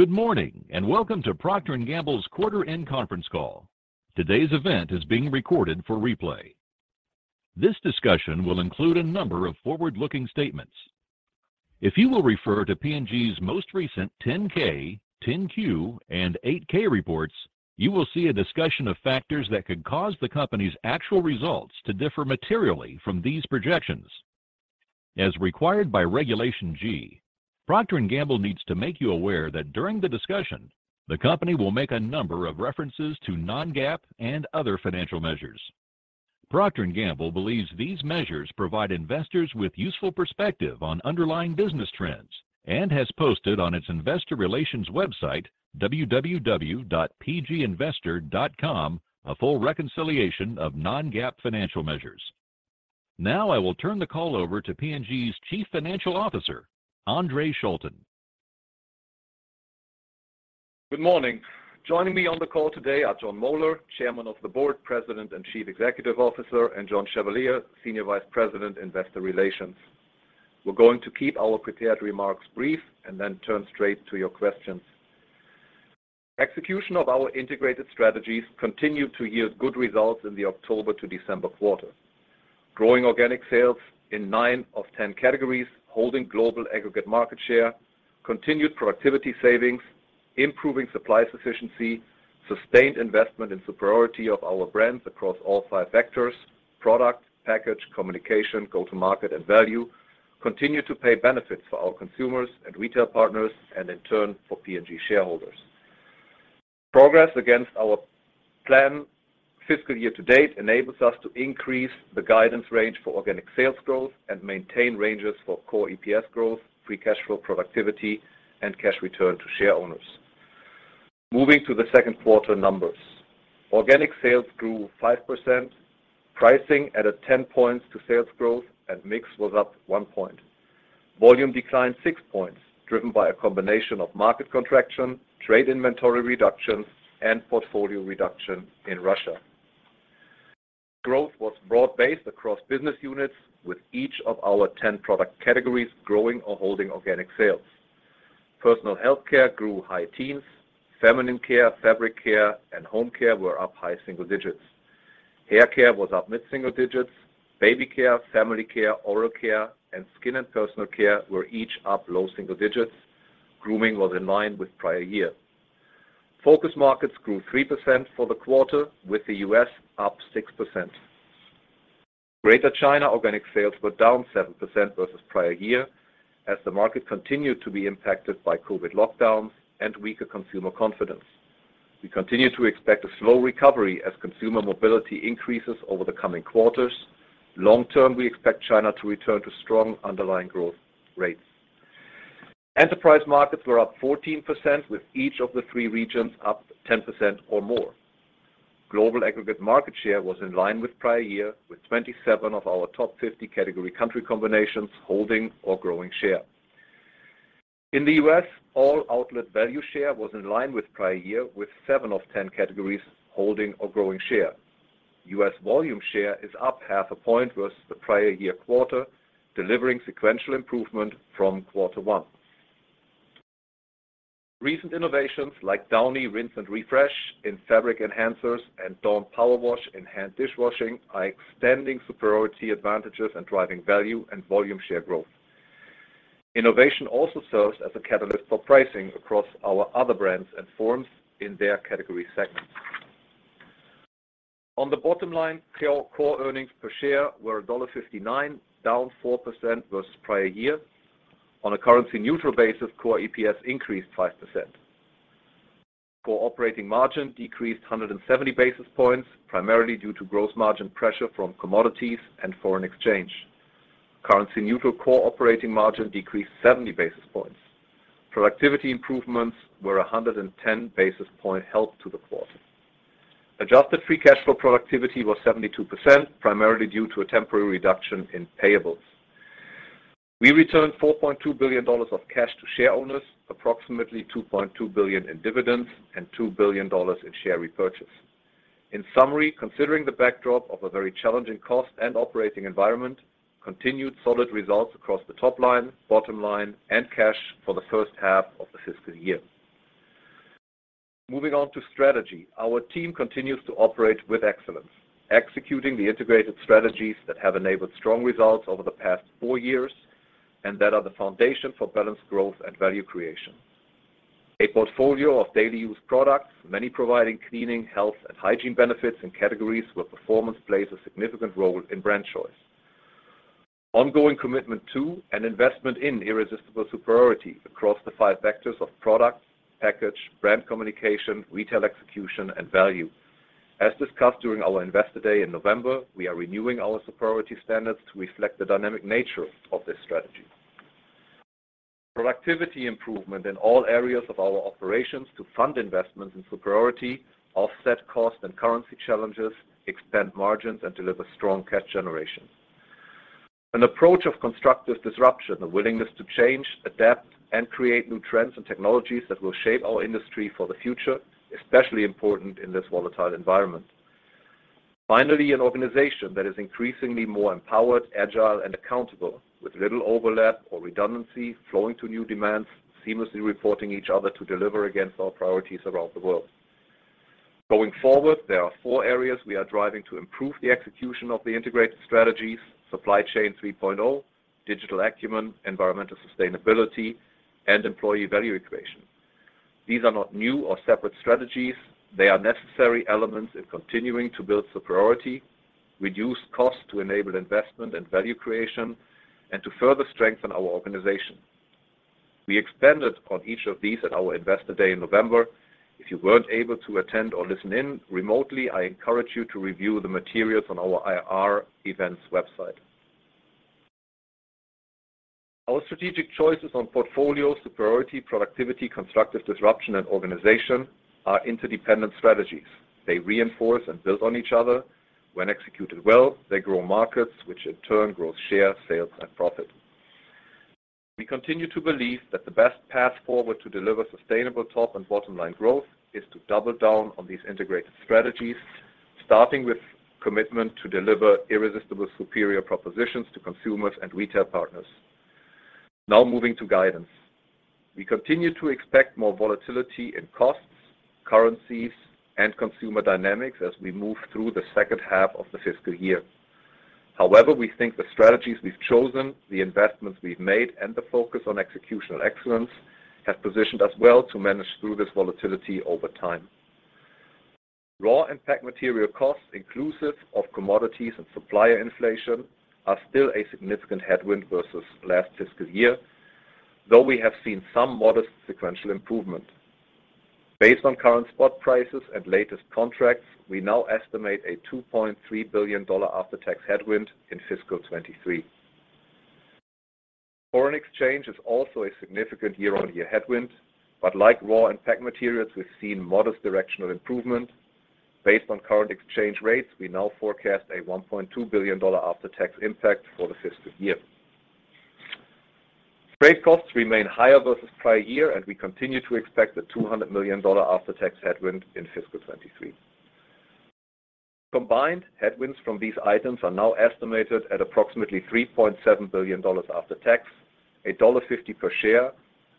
Good morning, and welcome to Procter & Gamble's quarter end conference call. Today's event is being recorded for replay. This discussion will include a number of forward-looking statements. If you will refer to P&G's most recent 10-K, 10-Q, and 8-K reports, you will see a discussion of factors that could cause the company's actual results to differ materially from these projections. As required by Regulation G, Procter & Gamble needs to make you aware that during the discussion, the company will make a number of references to non-GAAP and other financial measures. Procter & Gamble believes these measures provide investors with useful perspective on underlying business trends and has posted on its investor relations website, www.pginvestor.com, a full reconciliation of non-GAAP financial measures. Now I will turn the call over to P&G's Chief Financial Officer, Andre Schulten. Good morning. Joining me on the call today are Jon Moeller, Chairman of the Board, President and Chief Executive Officer, and John Chevalier, Senior Vice President, Investor Relations. We're going to keep our prepared remarks brief and then turn straight to your questions. Execution of our integrated strategies continued to yield good results in the October to December quarter. Growing organic sales in 9 of 10 categories, holding global aggregate market share, continued productivity savings, improving supplies efficiency, sustained investment in superiority of our brands across all five vectors, product, package, communication, go-to-market, and value, continue to pay benefits for our consumers and retail partners and in turn, for P&G shareholders. Progress against our plan fiscal year to date enables us to increase the guidance range for organic sales growth and maintain ranges for Core EPS growth, free cash flow productivity, and cash return to shareowners. Moving to the Q2 numbers. Organic sales grew 5%. Pricing added 10 points to sales growth. Mix was up 1 point. Volume declined 6 points, driven by a combination of market contraction, trade inventory reductions, and portfolio reduction in Russia. Growth was broad-based across business units, with each of our 10 product categories growing or holding organic sales. Personal healthcare grew high teens. Feminine care, fabric care, and home care were up high single digits. Hair care was up mid-single digits. Baby care, family care, oral care, and skin and personal care were each up low single digits. Grooming was in line with prior year. Focus markets grew 3% for the quarter, with the U.S. up 6%. Greater China organic sales were down 7% versus prior year as the market continued to be impacted by COVID lockdowns and weaker consumer confidence. We continue to expect a slow recovery as consumer mobility increases over the coming quarters. Long term, we expect China to return to strong underlying growth rates. Enterprise markets were up 14%, with each of the three regions up 10% or more. Global aggregate market share was in line with prior year, with 27 of our top 50 category country combinations holding or growing share. In the U.S., all outlet value share was in line with prior year, with seven of 10 categories holding or growing share. U.S. volume share is up half a point versus the prior year quarter, delivering sequential improvement from quarter one. Recent innovations like Downy Rinse & Refresh in fabric enhancers and Dawn Powerwash in hand dishwashing are extending superiority advantages and driving value and volume share growth. Innovation also serves as a catalyst for pricing across our other brands and forms in their category segments. On the bottom line, Core earnings per share were $1.59, down 4% versus prior year. On a currency-neutral basis, Core EPS increased 5%. Core operating margin decreased 170 basis points, primarily due to gross margin pressure from commodities and foreign exchange. Currency-neutral Core operating margin decreased 70 basis points. Productivity improvements were 110 basis point help to the quarter. adjusted free cash flow productivity was 72%, primarily due to a temporary reduction in payables. We returned $4.2 billion of cash to shareowners, approximately $2.2 billion in dividends and $2 billion in share repurchase. In summary, considering the backdrop of a very challenging cost and operating environment, continued solid results across the top line, bottom line, and cash for the first half of the fiscal year. Moving on to strategy. Our team continues to operate with excellence, executing the integrated strategies that have enabled strong results over the past four years and that are the foundation for balanced growth and value creation. A portfolio of daily use products, many providing cleaning, health, and hygiene benefits in categories where performance plays a significant role in brand choice. Ongoing commitment to and investment in irresistible superiority across the five vectors of product, package, brand communication, retail execution, and value. As discussed during our Investor Day in November, we are renewing our superiority standards to reflect the dynamic nature of this strategy. Productivity improvement in all areas of our operations to fund investments in superiority, offset cost and currency challenges, expand margins, and deliver strong cash generation. An approach of constructive disruption, a willingness to change, adapt, and create new trends and technologies that will shape our industry for the future, especially important in this volatile environment. An organization that is increasingly more empowered, agile, and accountable with little overlap or redundancy flowing to new demands, seamlessly reporting each other to deliver against our priorities around the world. There are four areas we are driving to improve the execution of the integrated strategies: Supply Chain 3.0, digital acumen, environmental sustainability, and employee value creation. These are not new or separate strategies. They are necessary elements in continuing to build superiority, reduce costs to enable investment and value creation, and to further strengthen our organization. We expanded on each of these at our Investor Day in November. If you weren't able to attend or listen in remotely, I encourage you to review the materials on our IR events website. Our strategic choices on portfolio superiority, productivity, constructive disruption, and organization are interdependent strategies. They reinforce and build on each other. When executed well, they grow markets, which in turn grows share, sales, and profit. We continue to believe that the best path forward to deliver sustainable top and bottom line growth is to double down on these integrated strategies, starting with commitment to deliver irresistible superior propositions to consumers and retail partners. Moving to guidance. We continue to expect more volatility in costs, currencies, and consumer dynamics as we move through the second half of the fiscal year. However, we think the strategies we've chosen, the investments we've made, and the focus on executional excellence have positioned us well to manage through this volatility over time. Raw and pack material costs, inclusive of commodities and supplier inflation, are still a significant headwind versus last fiscal year, though we have seen some modest sequential improvement. Based on current spot prices and latest contracts, we now estimate a $2.3 billion after-tax headwind in fiscal 2023. Foreign exchange is also a significant year-over-year headwind, but like raw and pack materials, we've seen modest directional improvement. Based on current exchange rates, we now forecast a $1.2 billion after-tax impact for the fiscal year. Freight costs remain higher versus prior year, and we continue to expect a $200 million after-tax headwind in fiscal 2023. Combined headwinds from these items are now estimated at approximately $3.7 billion after tax, $1.50 per share,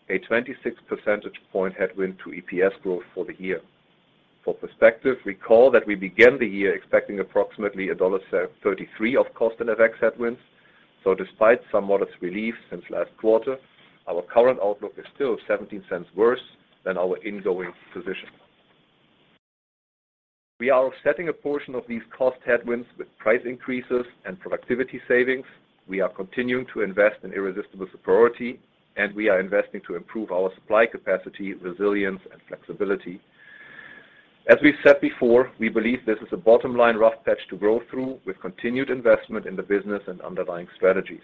a 26 percentage point headwind to EPS growth for the year. For perspective, recall that we began the year expecting approximately $1.33 of cost and FX headwinds. Despite some modest relief since last quarter, our current outlook is still $0.17 worse than our ingoing position. We are offsetting a portion of these cost headwinds with price increases and productivity savings. We are continuing to invest in irresistible superiority, and we are investing to improve our supply capacity, resilience, and flexibility. As we said before, we believe this is a bottom-line rough patch to grow through with continued investment in the business and underlying strategies.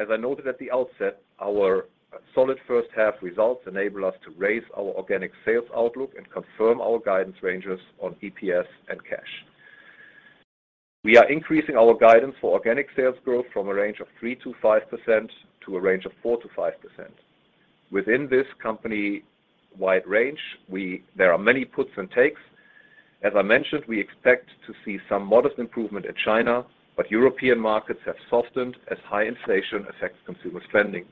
As I noted at the outset, our solid first half results enable us to raise our organic sales outlook and confirm our guidance ranges on EPS and cash. We are increasing our guidance for organic sales growth from a range of 3%-5% to a range of 4%-5%. Within this company-wide range, there are many puts and takes. As I mentioned, we expect to see some modest improvement in China, European markets have softened as high inflation affects consumer spending.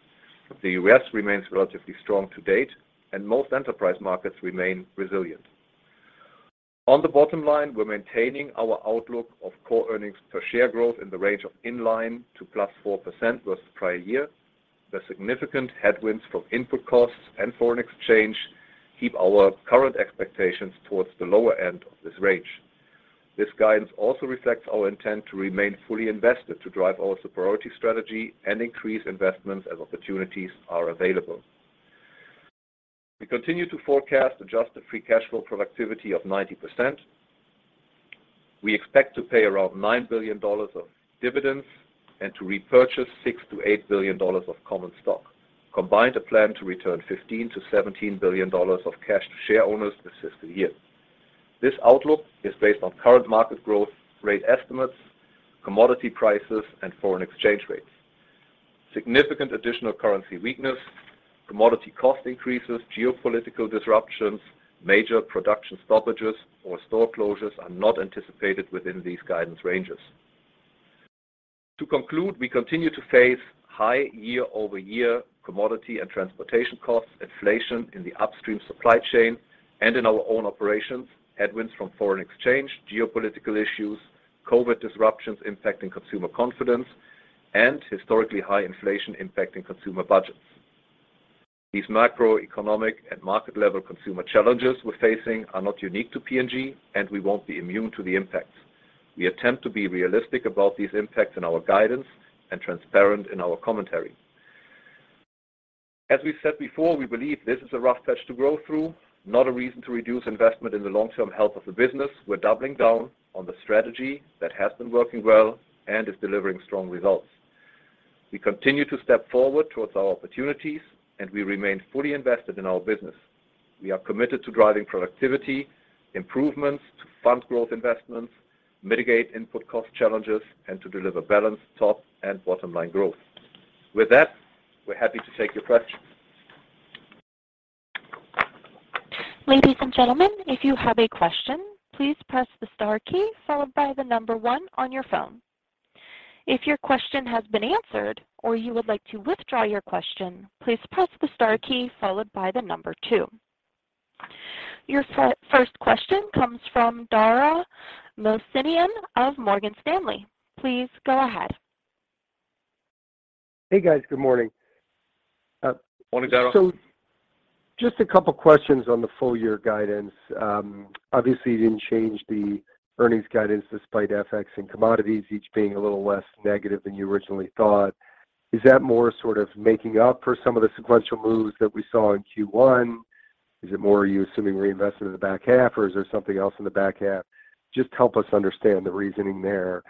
The US remains relatively strong to date, Most enterprise markets remain resilient. On the bottom line, we're maintaining our outlook of core earnings per share growth in the range of in line to +4% versus prior year. The significant headwinds from input costs and foreign exchange keep our current expectations towards the lower end of this range. This guidance also reflects our intent to remain fully invested to drive our superiority strategy and increase investments as opportunities are available. We continue to forecast adjusted free cash flow productivity of 90%. We expect to pay around $9 billion of dividends and to repurchase $6 billion-$8 billion of common stock. Combined, a plan to return $15 billion-$17 billion of cash to shareowners this fiscal year. This outlook is based on current market growth rate estimates, commodity prices, and foreign exchange rates. Significant additional currency weakness, commodity cost increases, geopolitical disruptions, major production stoppages or store closures are not anticipated within these guidance ranges. To conclude, we continue to face high year-over-year commodity and transportation costs, inflation in the upstream supply chain and in our own operations, headwinds from foreign exchange, geopolitical issues, COVID disruptions impacting consumer confidence, and historically high inflation impacting consumer budgets. These macroeconomic and market-level consumer challenges we're facing are not unique to P&G, and we won't be immune to the impacts. We attempt to be realistic about these impacts in our guidance and transparent in our commentary. As we've said before, we believe this is a rough patch to grow through, not a reason to reduce investment in the long-term health of the business. We're doubling down on the strategy that has been working well and is delivering strong results. We continue to step forward towards our opportunities, and we remain fully invested in our business. We are committed to driving productivity improvements to fund growth investments, mitigate input cost challenges, and to deliver balanced top and bottom line growth. With that, we're happy to take your questions. Ladies and gentlemen, if you have a question, please press the star key followed by 1 on your phone. If your question has been answered or you would like to withdraw your question, please press the star key followed by 2. Your first question comes from Dara Mohsenian of Morgan Stanley. Please go ahead. Hey, guys. Good morning. Morning, Dara. Just a couple questions on the full year guidance. Obviously, you didn't change the earnings guidance despite FX and commodities each being a little less negative than you originally thought. Is that more sort of making up for some of the sequential moves that we saw in Q1? Is it more you assuming reinvestment in the back half, or is there something else in the back half? Just help us understand the reasoning there.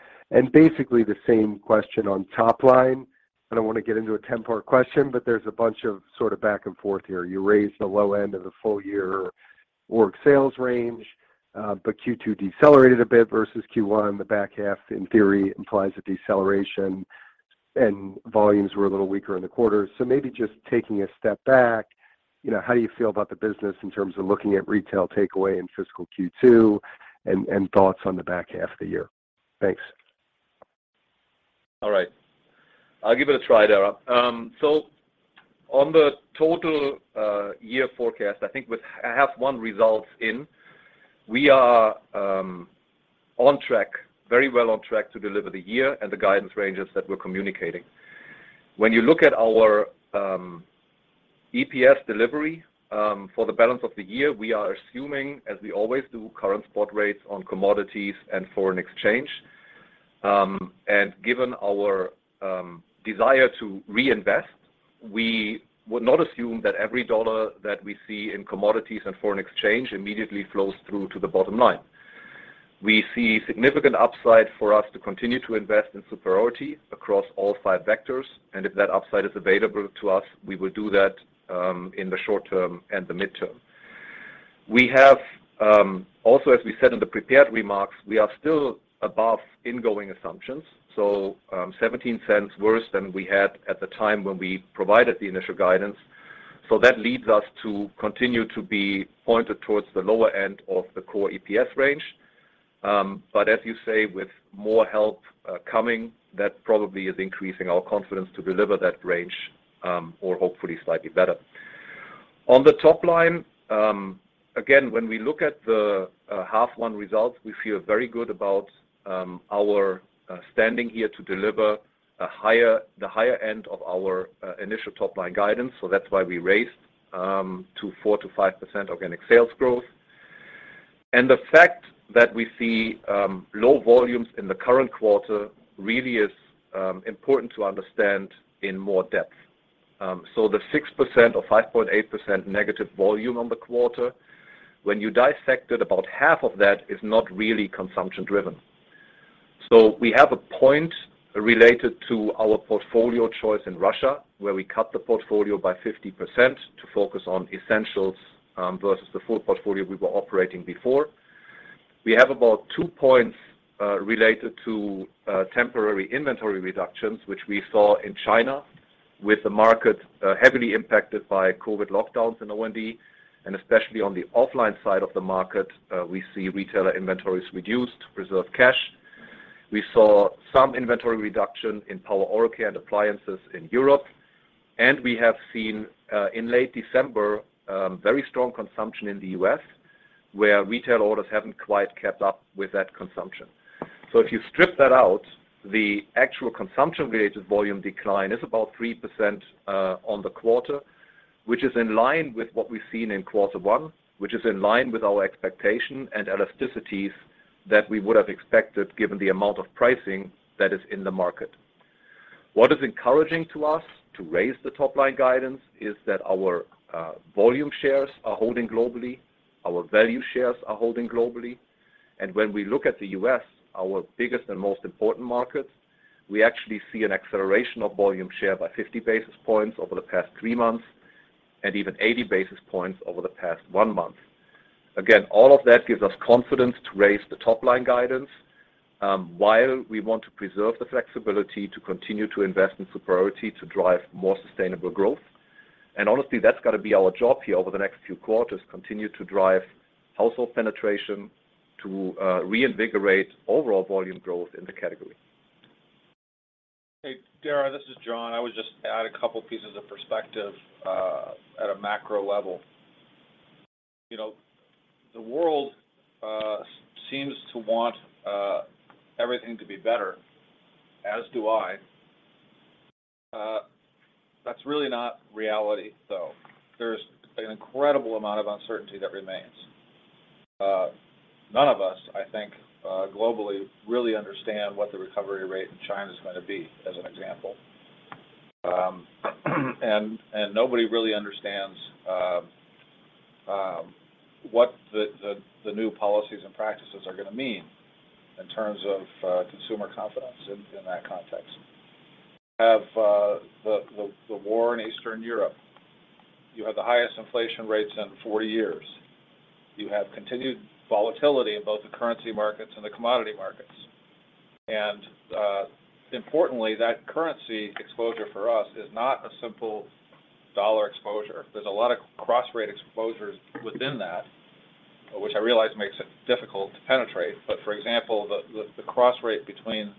Basically the same question on top line. I don't wanna get into a 10-part question, but there's a bunch of sort of back and forth here. You raised the low end of the full year Organic sales range, but Q2 decelerated a bit versus Q1. The back half in theory implies a deceleration, and volumes were a little weaker in the quarter. Maybe just taking a step back, you know, how do you feel about the business in terms of looking at retail takeaway in fiscal Q2 and thoughts on the back half of the year? Thanks. All right. I'll give it a try, Dara. On the total year forecast, I think with half one results in, we are on track, very well on track to deliver the year and the guidance ranges that we're communicating. When you look at our EPS delivery for the balance of the year, we are assuming, as we always do, current spot rates on commodities and foreign exchange. Given our desire to reinvest, we would not assume that every $1 that we see in commodities and foreign exchange immediately flows through to the bottom line. We see significant upside for us to continue to invest in superiority across all five vectors, and if that upside is available to us, we will do that in the short term and the midterm. We have, also as we said in the prepared remarks, we are still above ingoing assumptions, $0.17 worse than we had at the time when we provided the initial guidance. That leads us to continue to be pointed towards the lower end of the Core EPS range. As you say, with more help, coming, that probably is increasing our confidence to deliver that range, or hopefully slightly better. On the top line, again, when we look at the half one results, we feel very good about our standing here to deliver the higher end of our initial top-line guidance. That's why we raised to 4%-5% Organic sales growth. The fact that we see low volumes in the current quarter really is important to understand in more depth. The 6% or 5.8% negative volume on the quarter, when you dissect it, about half of that is not really consumption driven. We have a point related to our portfolio choice in Russia, where we cut the portfolio by 50% to focus on essentials versus the full portfolio we were operating before. We have about 2 points related to temporary inventory reductions, which we saw in China with the market heavily impacted by COVID lockdowns in O&D and especially on the offline side of the market, we see retailer inventories reduced to preserve cash. We saw some inventory reduction in power oral care and appliances in Europe, and we have seen, in late December, very strong consumption in the US, where retail orders haven't quite kept up with that consumption. If you strip that out, the actual consumption-related volume decline is about 3%, on the quarter, which is in line with what we've seen in quarter one, which is in line with our expectation and elasticities that we would have expected given the amount of pricing that is in the market. What is encouraging to us to raise the top-line guidance is that our volume shares are holding globally, our value shares are holding globally, and when we look at the U.S., our biggest and most important market, we actually see an acceleration of volume share by 50 basis points over the past 3 months and even 80 basis points over the past 1 month. Again, all of that gives us confidence to raise the top-line guidance while we want to preserve the flexibility to continue to invest in superiority to drive more sustainable growth. Honestly, that's got to be our job here over the next few quarters, continue to drive household penetration to reinvigorate overall volume growth in the category. Hey, Dara, this is John. I would just add a couple pieces of perspective, at a macro level. You know, the world, seems to want, everything to be better, as do I. That's really not reality, though. There's an incredible amount of uncertainty that remains. None of us, I think, globally really understand what the recovery rate in China is gonna be, as an example. nobody really understands, what the new policies and practices are gonna mean in terms of, consumer confidence in that context. You have, the war in Eastern Europe. You have the highest inflation rates in 40 years. You have continued volatility in both the currency markets and the commodity markets. Importantly, that currency exposure for us is not a simple dollar exposure. There's a lot of cross-rate exposures within that, which I realize makes it difficult to penetrate. For example, the cross rate between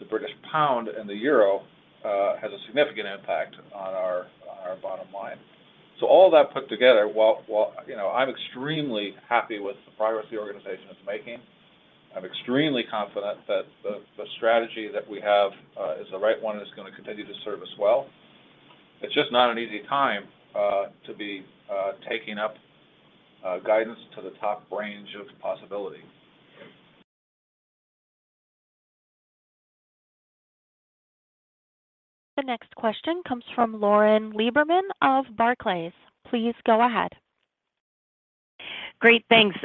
the British pound and the euro has a significant impact on our bottom line. All that put together, while... You know, I'm extremely happy with the progress the organization is making. I'm extremely confident that the strategy that we have is the right one and is gonna continue to serve us well. It's just not an easy time to be taking up guidance to the top range of possibility. The next question comes from Lauren Lieberman of Barclays. Please go ahead. Great. Thanks.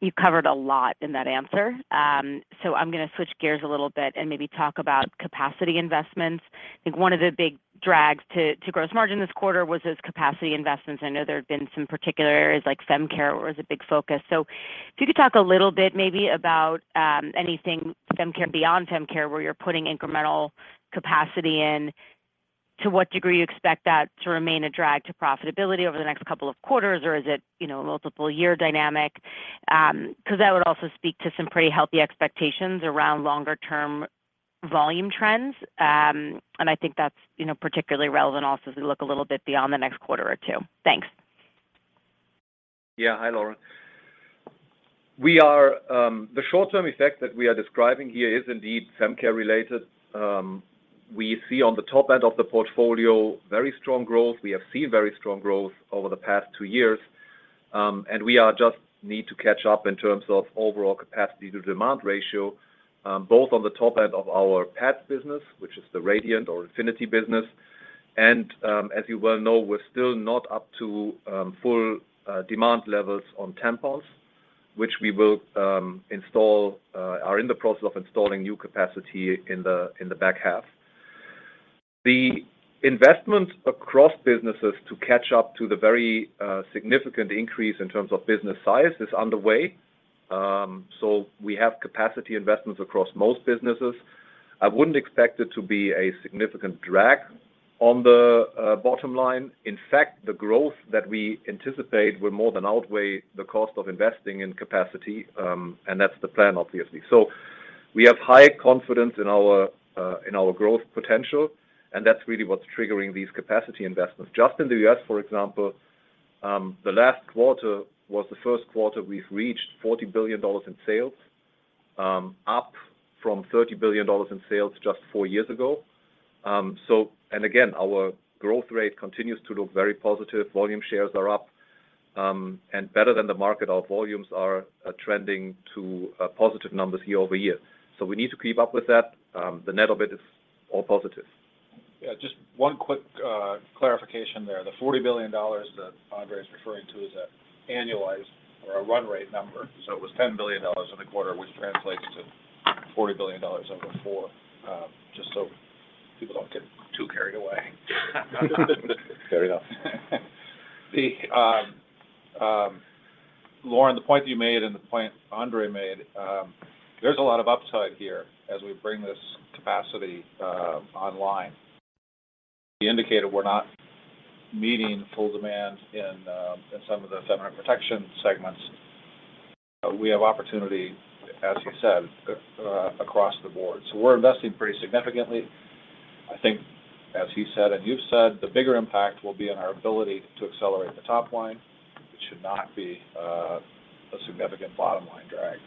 You covered a lot in that answer. I'm gonna switch gears a little bit and maybe talk about capacity investments. I think one of the big drags to gross margin this quarter was those capacity investments. I know there have been some particular areas, like fem care was a big focus. If you could talk a little bit maybe about anything fem care beyond fem care, where you're putting incremental capacity in, to what degree you expect that to remain a drag to profitability over the next couple of quarters, or is it, you know, a multiple year dynamic? 'Cause that would also speak to some pretty healthy expectations around longer term volume trends. I think that's, you know, particularly relevant also as we look a little bit beyond the next quarter or two. Thanks. Yeah. Hi, Lauren. The short-term effect that we are describing here is indeed fem care related. We see on the top end of the portfolio very strong growth. We have seen very strong growth over the past two years, and we are just need to catch up in terms of overall capacity to demand ratio, both on the top end of our pads business, which is the Radiant or Infinity business. As you well know, we're still not up to full demand levels on Pampers, which we are in the process of installing new capacity in the back half. The investments across businesses to catch up to the very significant increase in terms of business size is underway. We have capacity investments across most businesses. I wouldn't expect it to be a significant drag on the bottom line. The growth that we anticipate will more than outweigh the cost of investing in capacity, and that's the plan, obviously. We have high confidence in our growth potential, and that's really what's triggering these capacity investments. Just in the U.S., for example, the last quarter was the Q1 we've reached $40 billion in sales, up from $30 billion in sales just four years ago. Again, our growth rate continues to look very positive. Volume shares are up, and better than the market, our volumes are trending to positive numbers year-over-year. We need to keep up with that. The net of it is all positive. Yeah. Just one quick clarification there. The $40 billion that Andre is referring to is a annualized or a run rate number. It was $10 billion in the quarter, which translates to $40 billion over 4, just so people don't get too carried away. Carried off. The Lauren, the point you made and the point Andre made, there's a lot of upside here as we bring this capacity online. We indicated we're not meeting full demand in some of the feminine protection segments. We have opportunity, as you said, across the board. We're investing pretty significantly. I think as he said, and you've said, the bigger impact will be on our ability to accelerate the top line, which should not be a significant bottom-line drag.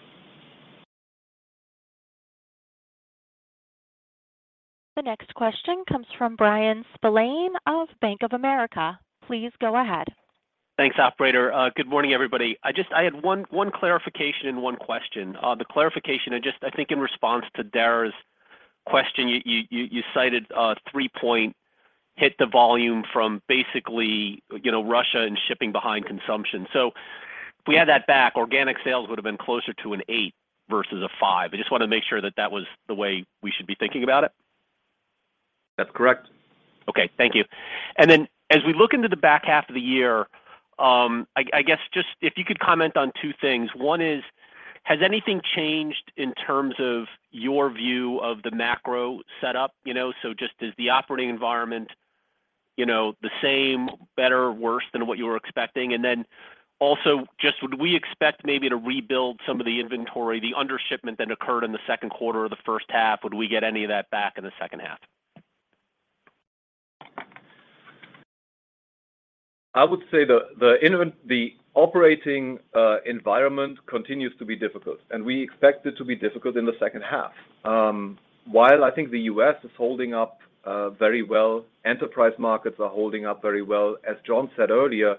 The next question comes from Bryan Spillane of Bank of America. Please go ahead. Thanks, operator. Good morning, everybody. I had one clarification and one question. The clarification, I think in response to Dara's question, you cited a 3-point hit to volume from basically, you know, Russia and shipping behind consumption. If we had that back, organic sales would've been closer to an 8% versus a 5%. I just wanna make sure that was the way we should be thinking about it? That's correct. Okay. Thank you. As we look into the back half of the year, I guess just if you could comment on two things. One is, has anything changed in terms of your view of the macro setup? You know, just is the operating environment, you know, the same, better, worse than what you were expecting? Also, just would we expect maybe to rebuild some of the inventory, the undershipment that occurred in the Q2 or the first half? Would we get any of that back in the second half? I would say the operating environment continues to be difficult, and we expect it to be difficult in the second half. While I think the U.S. is holding up very well, enterprise markets are holding up very well, as Jon said earlier,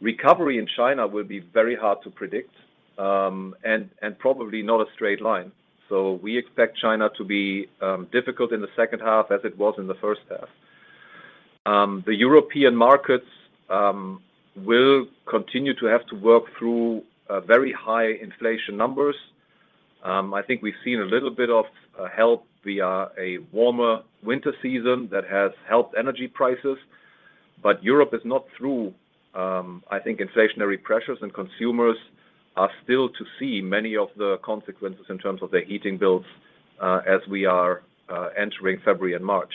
recovery in China will be very hard to predict, and probably not a straight line. We expect China to be difficult in the second half as it was in the first half. The European markets will continue to have to work through very high inflation numbers. I think we've seen a little bit of help via a warmer winter season that has helped energy prices. Europe is not through, I think inflationary pressures and consumers are still to see many of the consequences in terms of their heating bills, as we are entering February and March.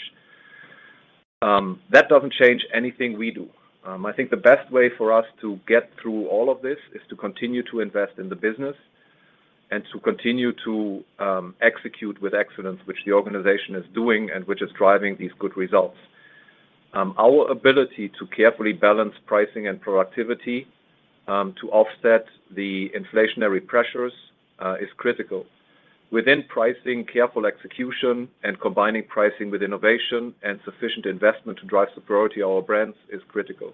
That doesn't change anything we do. I think the best way for us to get through all of this is to continue to invest in the business and to continue to execute with excellence, which the organization is doing and which is driving these good results. Our ability to carefully balance pricing and productivity to offset the inflationary pressures is critical. Within pricing, careful execution and combining pricing with innovation and sufficient investment to drive superiority of our brands is critical.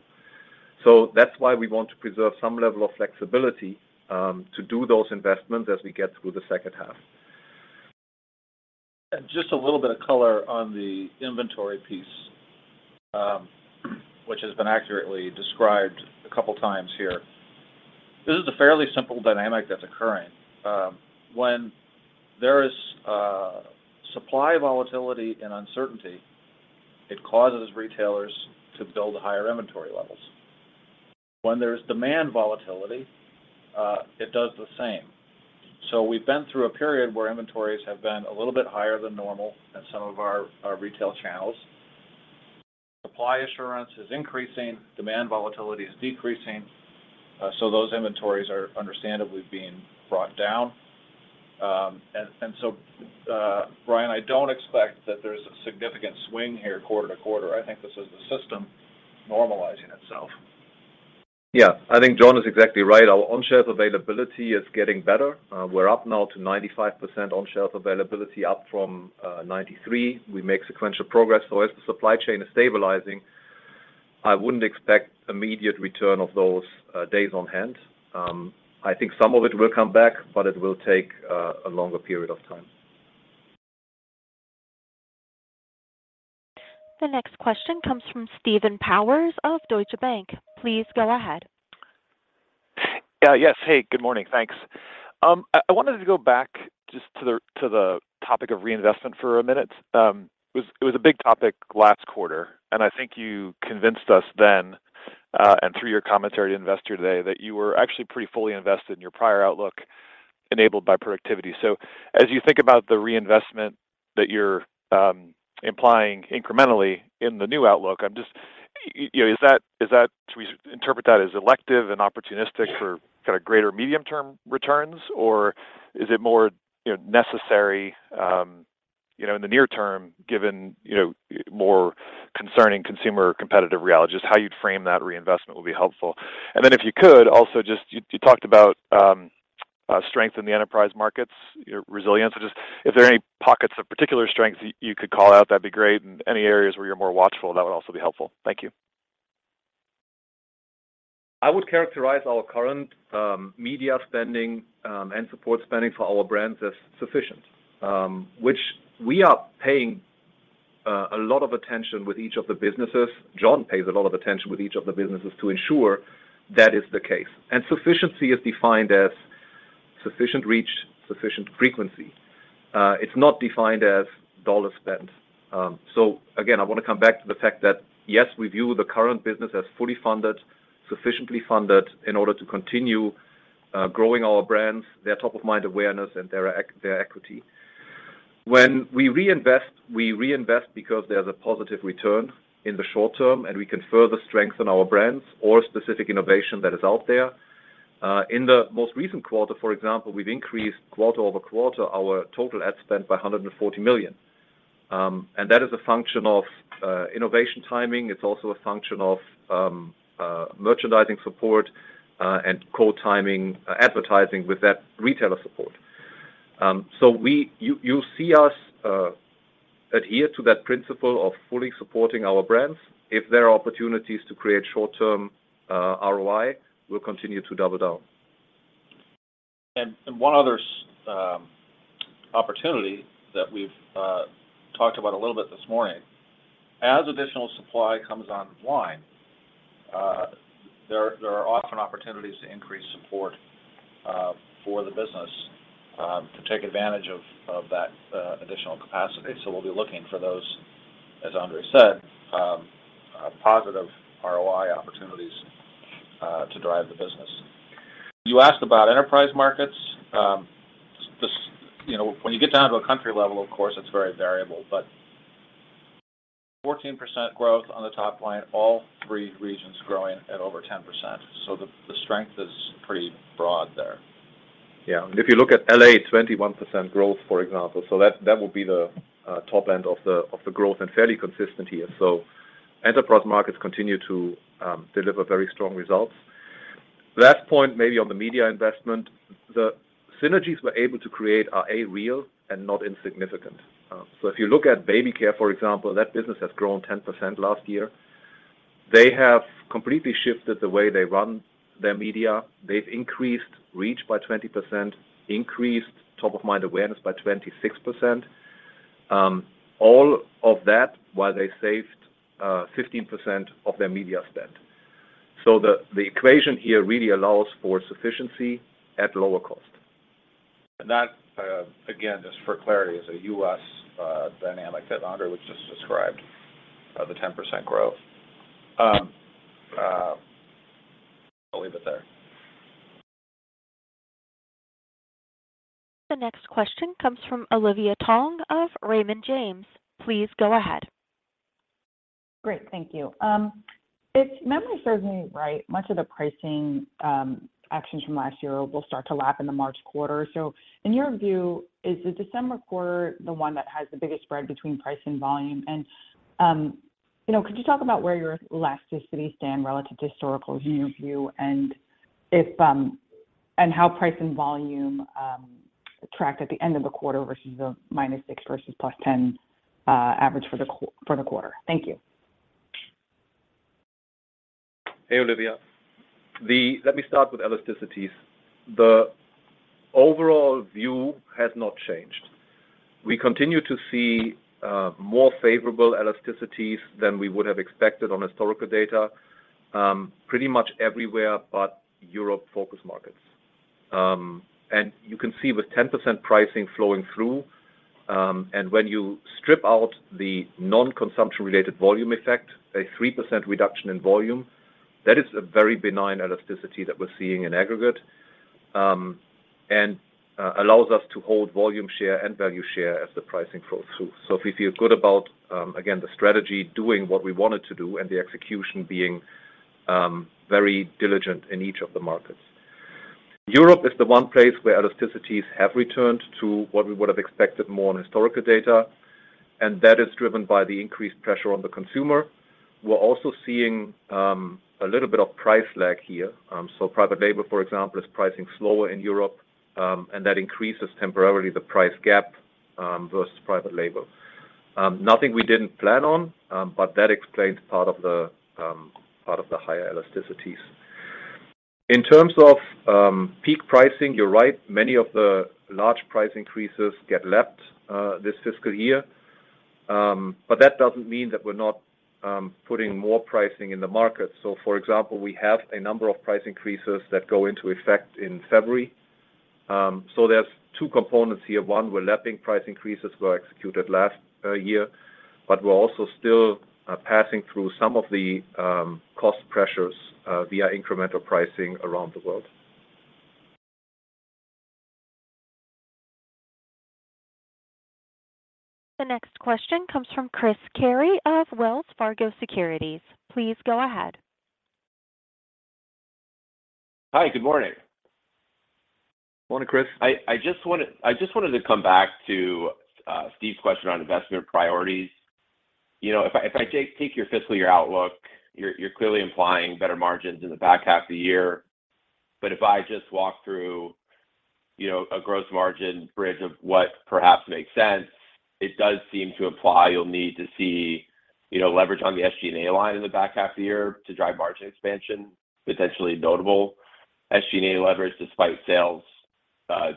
that's why we want to preserve some level of flexibility, to do those investments as we get through the second half. Just a little bit of color on the inventory piece, which has been accurately described a couple of times here. This is a fairly simple dynamic that's occurring. When there is supply volatility and uncertainty, it causes retailers to build higher inventory levels. When there's demand volatility, it does the same. We've been through a period where inventories have been a little bit higher than normal in some of our retail channels. Supply assurance is increasing, demand volatility is decreasing, those inventories are understandably being brought down. Bryan, I don't expect that there's a significant swing here quarter-to-quarter. I think this is the system normalizing itself. I think John is exactly right. Our on-shelf availability is getting better. We're up now to 95% on-shelf availability, up from 93. We make sequential progress. As the supply chain is stabilizing, I wouldn't expect immediate return of those days on hand. I think some of it will come back, but it will take a longer period of time. The next question comes from Steve Powers of Deutsche Bank. Please go ahead. Yes. Hey, good morning. Thanks. I wanted to go back just to the topic of reinvestment for a minute. It was a big topic last quarter, and I think you convinced us then, and through your commentary to Investor Day that you were actually pretty fully invested in your prior outlook enabled by productivity. As you think about the reinvestment that you're implying incrementally in the new outlook, I'm just... You know, is that should we interpret that as elective and opportunistic for kinda greater medium-term returns? Or is it more, you know, necessary, you know, in the near term, given, you know, more concerning consumer competitive realities? How you'd frame that reinvestment will be helpful. Then if you could, also just you talked about strength in the enterprise markets, resilience. Just if there are any pockets of particular strength you could call out, that'd be great. Any areas where you're more watchful, that would also be helpful. Thank you. I would characterize our current media spending and support spending for our brands as sufficient, which we are paying a lot of attention with each of the businesses. Jon pays a lot of attention with each of the businesses to ensure that is the case. Sufficiency is defined as sufficient reach, sufficient frequency. It's not defined as dollars spent. Again, I want to come back to the fact that, yes, we view the current business as fully funded, sufficiently funded in order to continue growing our brands, their top-of-mind awareness, and their equity. When we reinvest, we reinvest because there's a positive return in the short term, and we can further strengthen our brands or specific innovation that is out there. In the most recent quarter, for example, we've increased quarter-over-quarter our total ad spend by $140 million. That is a function of innovation timing. It's also a function of merchandising support and co-timing advertising with that retailer support. You'll see us adhere to that principle of fully supporting our brands. If there are opportunities to create short-term ROI, we'll continue to double down. One other opportunity that we've talked about a little bit this morning. As additional supply comes online, there are often opportunities to increase support for the business to take advantage of that additional capacity. We'll be looking for those, as Andre said, positive ROI opportunities to drive the business. You asked about enterprise markets. You know, when you get down to a country level, of course, it's very variable, but 14% growth on the top line, all three regions growing at over 10%. The strength is pretty broad there. Yeah. If you look at L.A., 21% growth, for example. That would be the top end of the growth and fairly consistent here. Enterprise markets continue to deliver very strong results. Last point, maybe on the media investment, the synergies we're able to create are, A, real and not insignificant. If you look at baby care, for example, that business has grown 10% last year. They have completely shifted the way they run their media. They've increased reach by 20%, increased top-of-mind awareness by 26%. All of that while they saved 15% of their media spend. The equation here really allows for sufficiency at lower cost. That, again, just for clarity, is a U.S. dynamic that Andre just described, the 10% growth. I'll leave it there. The next question comes from Olivia Tong of Raymond James. Please go ahead. Great. Thank you. If memory serves me right, much of the pricing actions from last year will start to lap in the March quarter. In your view, is the December quarter the one that has the biggest spread between price and volume? You know, could you talk about where your elasticities stand relative to historical view, and if and how price and volume track at the end of the quarter versus the -6 versus +10 average for the quarter? Thank you. Hey, Olivia. Let me start with elasticities. The overall view has not changed. We continue to see more favorable elasticities than we would have expected on historical data, pretty much everywhere but Europe-focused markets. You can see with 10% pricing flowing through, and when you strip out the non-consumption related volume effect, a 3% reduction in volume, that is a very benign elasticity that we're seeing in aggregate, and allows us to hold volume share and value share as the pricing flows through. We feel good about, again, the strategy doing what we want it to do and the execution being very diligent in each of the markets. Europe is the one place where elasticities have returned to what we would have expected more on historical data. That is driven by the increased pressure on the consumer. We're also seeing a little bit of price lag here. Private label, for example, is pricing slower in Europe. That increases temporarily the price gap versus private label. Nothing we didn't plan on, that explains part of the part of the higher elasticities. In terms of peak pricing, you're right, many of the large price increases get lapped this fiscal year. That doesn't mean that we're not putting more pricing in the market. For example, we have a number of price increases that go into effect in February. There's two components here. One, we're lapping price increases were executed last year, but we're also still passing through some of the cost pressures via incremental pricing around the world. The next question comes from Chris Carey of Wells Fargo Securities. Please go ahead. Hi, good morning. Morning, Chris. I just wanted to come back to Steve's question on investment priorities. You know, if I take your fiscal year outlook, you're clearly implying better margins in the back half of the year. If I just walk through, you know, a gross margin bridge of what perhaps makes sense, it does seem to imply you'll need to see, you know, leverage on the SG&A line in the back half of the year to drive margin expansion, potentially notable SG&A leverage despite sales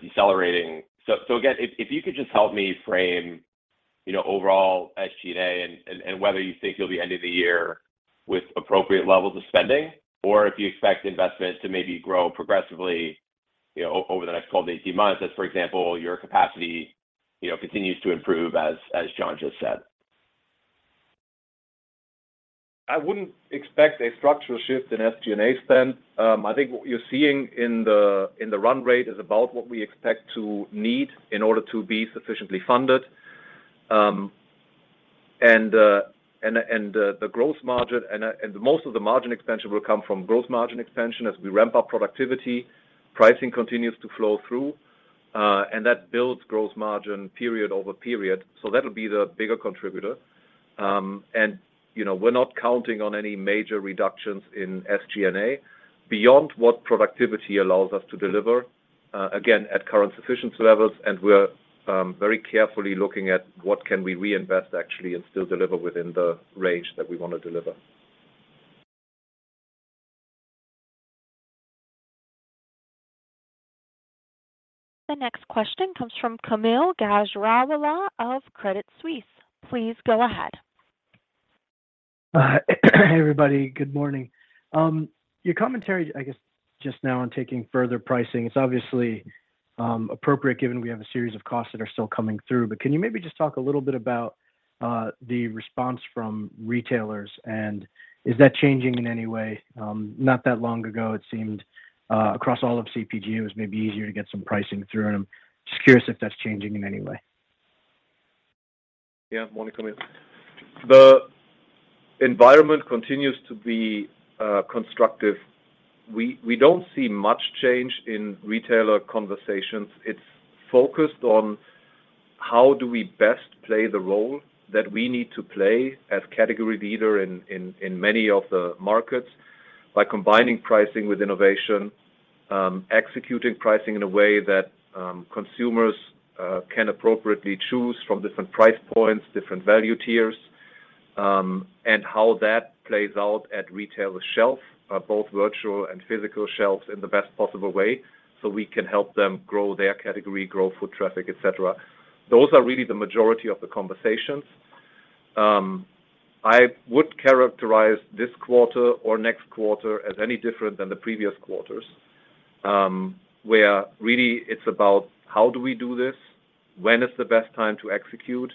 decelerating. Again, if you could just help me frame, you know, overall SG&A and whether you think you'll be ending the year with appropriate levels of spending or if you expect investment to maybe grow progressively, you know, over the next 12-18 months as, for example, your capacity, you know, continues to improve as Jon just said. I wouldn't expect a structural shift in SG&A spend. I think what you're seeing in the run rate is about what we expect to need in order to be sufficiently funded. The growth margin and most of the margin expansion will come from growth margin expansion as we ramp up productivity. Pricing continues to flow through, and that builds growth margin period over period. That'll be the bigger contributor. You know, we're not counting on any major reductions in SG&A beyond what productivity allows us to deliver, again, at current sufficiency levels. We're very carefully looking at what can we reinvest actually and still deliver within the range that we wanna deliver. The next question comes from Kaumil Gajrawala of Credit Suisse. Please go ahead. Hey, everybody. Good morning. Your commentary, I guess, just now on taking further pricing, it's obviously appropriate given we have a series of costs that are still coming through. Can you maybe just talk a little bit about the response from retailers, and is that changing in any way? Not that long ago, it seemed across all of CPG, it was maybe easier to get some pricing through. I'm just curious if that's changing in any way. Morning, Kaumil. The environment continues to be constructive. We don't see much change in retailer conversations. It's focused on how do we best play the role that we need to play as category leader in many of the markets by combining pricing with innovation, executing pricing in a way that consumers can appropriately choose from different price points, different value tiers, and how that plays out at retailer shelf, both virtual and physical shelves in the best possible way, so we can help them grow their category, grow foot traffic, et cetera. Those are really the majority of the conversations. I would characterize this quarter or next quarter as any different than the previous quarters, where really it's about how do we do this? When is the best time to execute?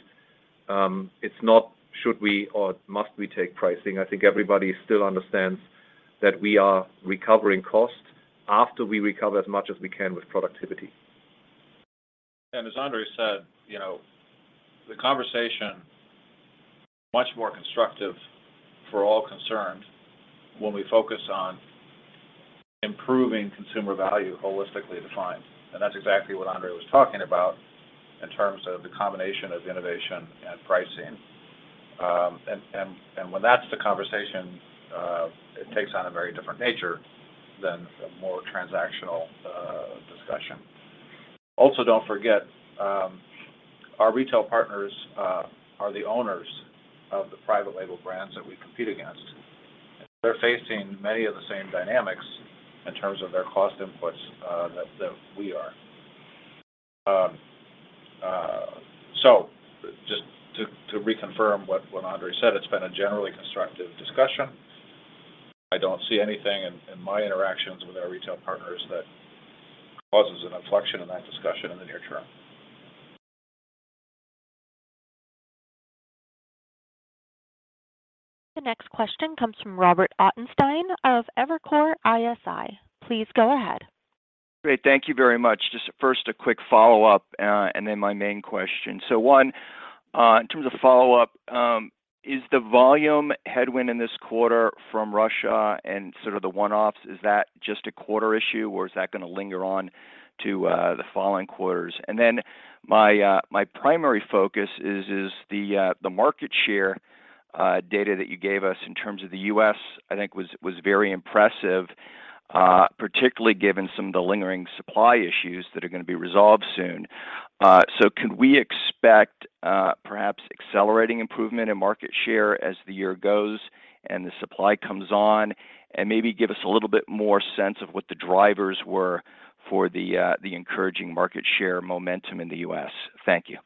It's not should we or must we take pricing. I think everybody still understands that we are recovering costs after we recover as much as we can with productivity. As Andre said, you know, the conversation, much more constructive for all concerned when we focus on improving consumer value holistically defined. That's exactly what Andre was talking about in terms of the combination of innovation and pricing. When that's the conversation, it takes on a very different nature than a more transactional discussion. Don't forget, our retail partners are the owners of the private label brands that we compete against. They're facing many of the same dynamics in terms of their cost inputs that we are. Just to reconfirm what Andre said, it's been a generally constructive discussion. I don't see anything in my interactions with our retail partners that causes an inflection in that discussion in the near term. The next question comes from Robert Ottenstein of Evercore ISI. Please go ahead. Great. Thank you very much. Just first a quick follow-up, and then my main question. One, in terms of follow-up, is the volume headwind in this quarter from Russia and sort of the one-offs, is that just a quarter issue, or is that gonna linger on to the following quarters? My primary focus is the market share data that you gave us in terms of the U.S., I think was very impressive, particularly given some of the lingering supply issues that are gonna be resolved soon. Can we expect, perhaps accelerating improvement in market share as the year goes and the supply comes on? Maybe give us a little bit more sense of what the drivers were for the encouraging market share momentum in the U.S.? Thank you.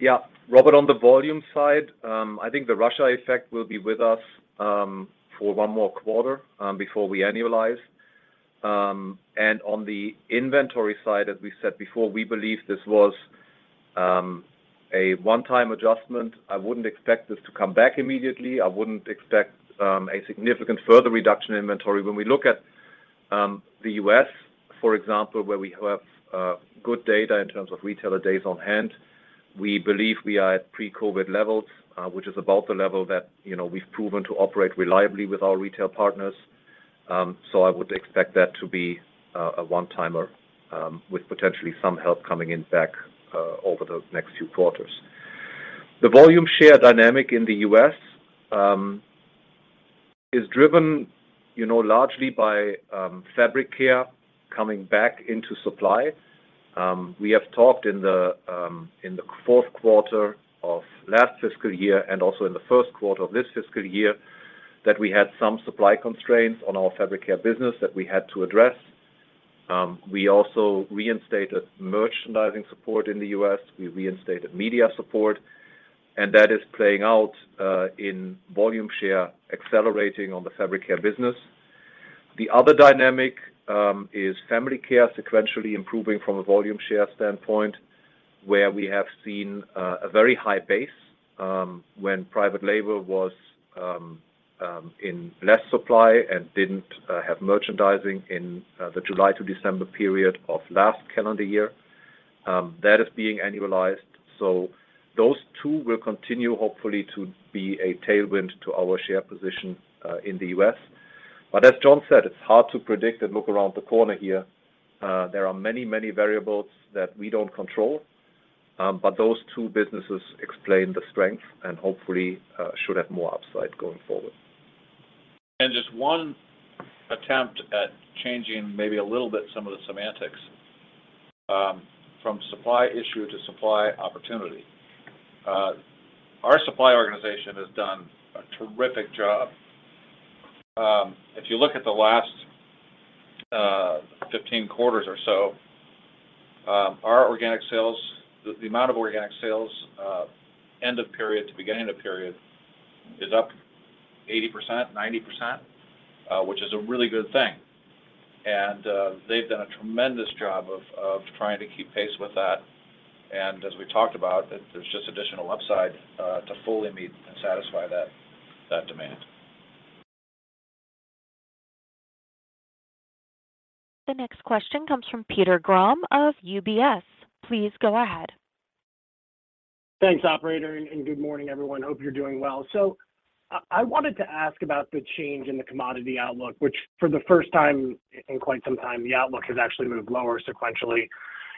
Yeah. Robert, on the volume side, I think the Russia effect will be with us for one more quarter before we annualize. On the inventory side, as we said before, we believe this was a one-time adjustment. I wouldn't expect this to come back immediately. I wouldn't expect a significant further reduction in inventory. When we look at the U.S., for example, where we have good data in terms of retailer days on hand, we believe we are at pre-COVID levels, which is about the level that, you know, we've proven to operate reliably with our retail partners. I would expect that to be a one-timer with potentially some help coming in back over the next few quarters. The volume share dynamic in the U.S., you know, is driven largely by fabric care coming back into supply. We have talked in the Q4 of last fiscal year and also in the Q1 of this fiscal year that we had some supply constraints on our fabric care business that we had to address. We also reinstated merchandising support in the U.S. We reinstated media support, that is playing out in volume share accelerating on the fabric care business. The other dynamic is family care sequentially improving from a volume share standpoint, where we have seen a very high base when private label was in less supply and didn't have merchandising in the July to December period of last calendar year. That is being annualized. Those two will continue hopefully to be a tailwind to our share position in the U.S. As Jon said, it's hard to predict and look around the corner here. There are many, many variables that we don't control. Those two businesses explain the strength and hopefully should have more upside going forward. Just one attempt at changing maybe a little bit some of the semantics, from supply issue to supply opportunity. Our supply organization has done a terrific job. If you look at the last 15 quarters or so, our organic sales, the amount of organic sales, end of period to beginning of period is up 80%, 90%, which is a really good thing. They've done a tremendous job of trying to keep pace with that. As we talked about, there's just additional upside to fully meet and satisfy that demand. The next question comes from Peter Grom of UBS. Please go ahead. Thanks, operator, and good morning, everyone. Hope you're doing well. I wanted to ask about the change in the commodity outlook, which for the first time in quite some time, the outlook has actually moved lower sequentially.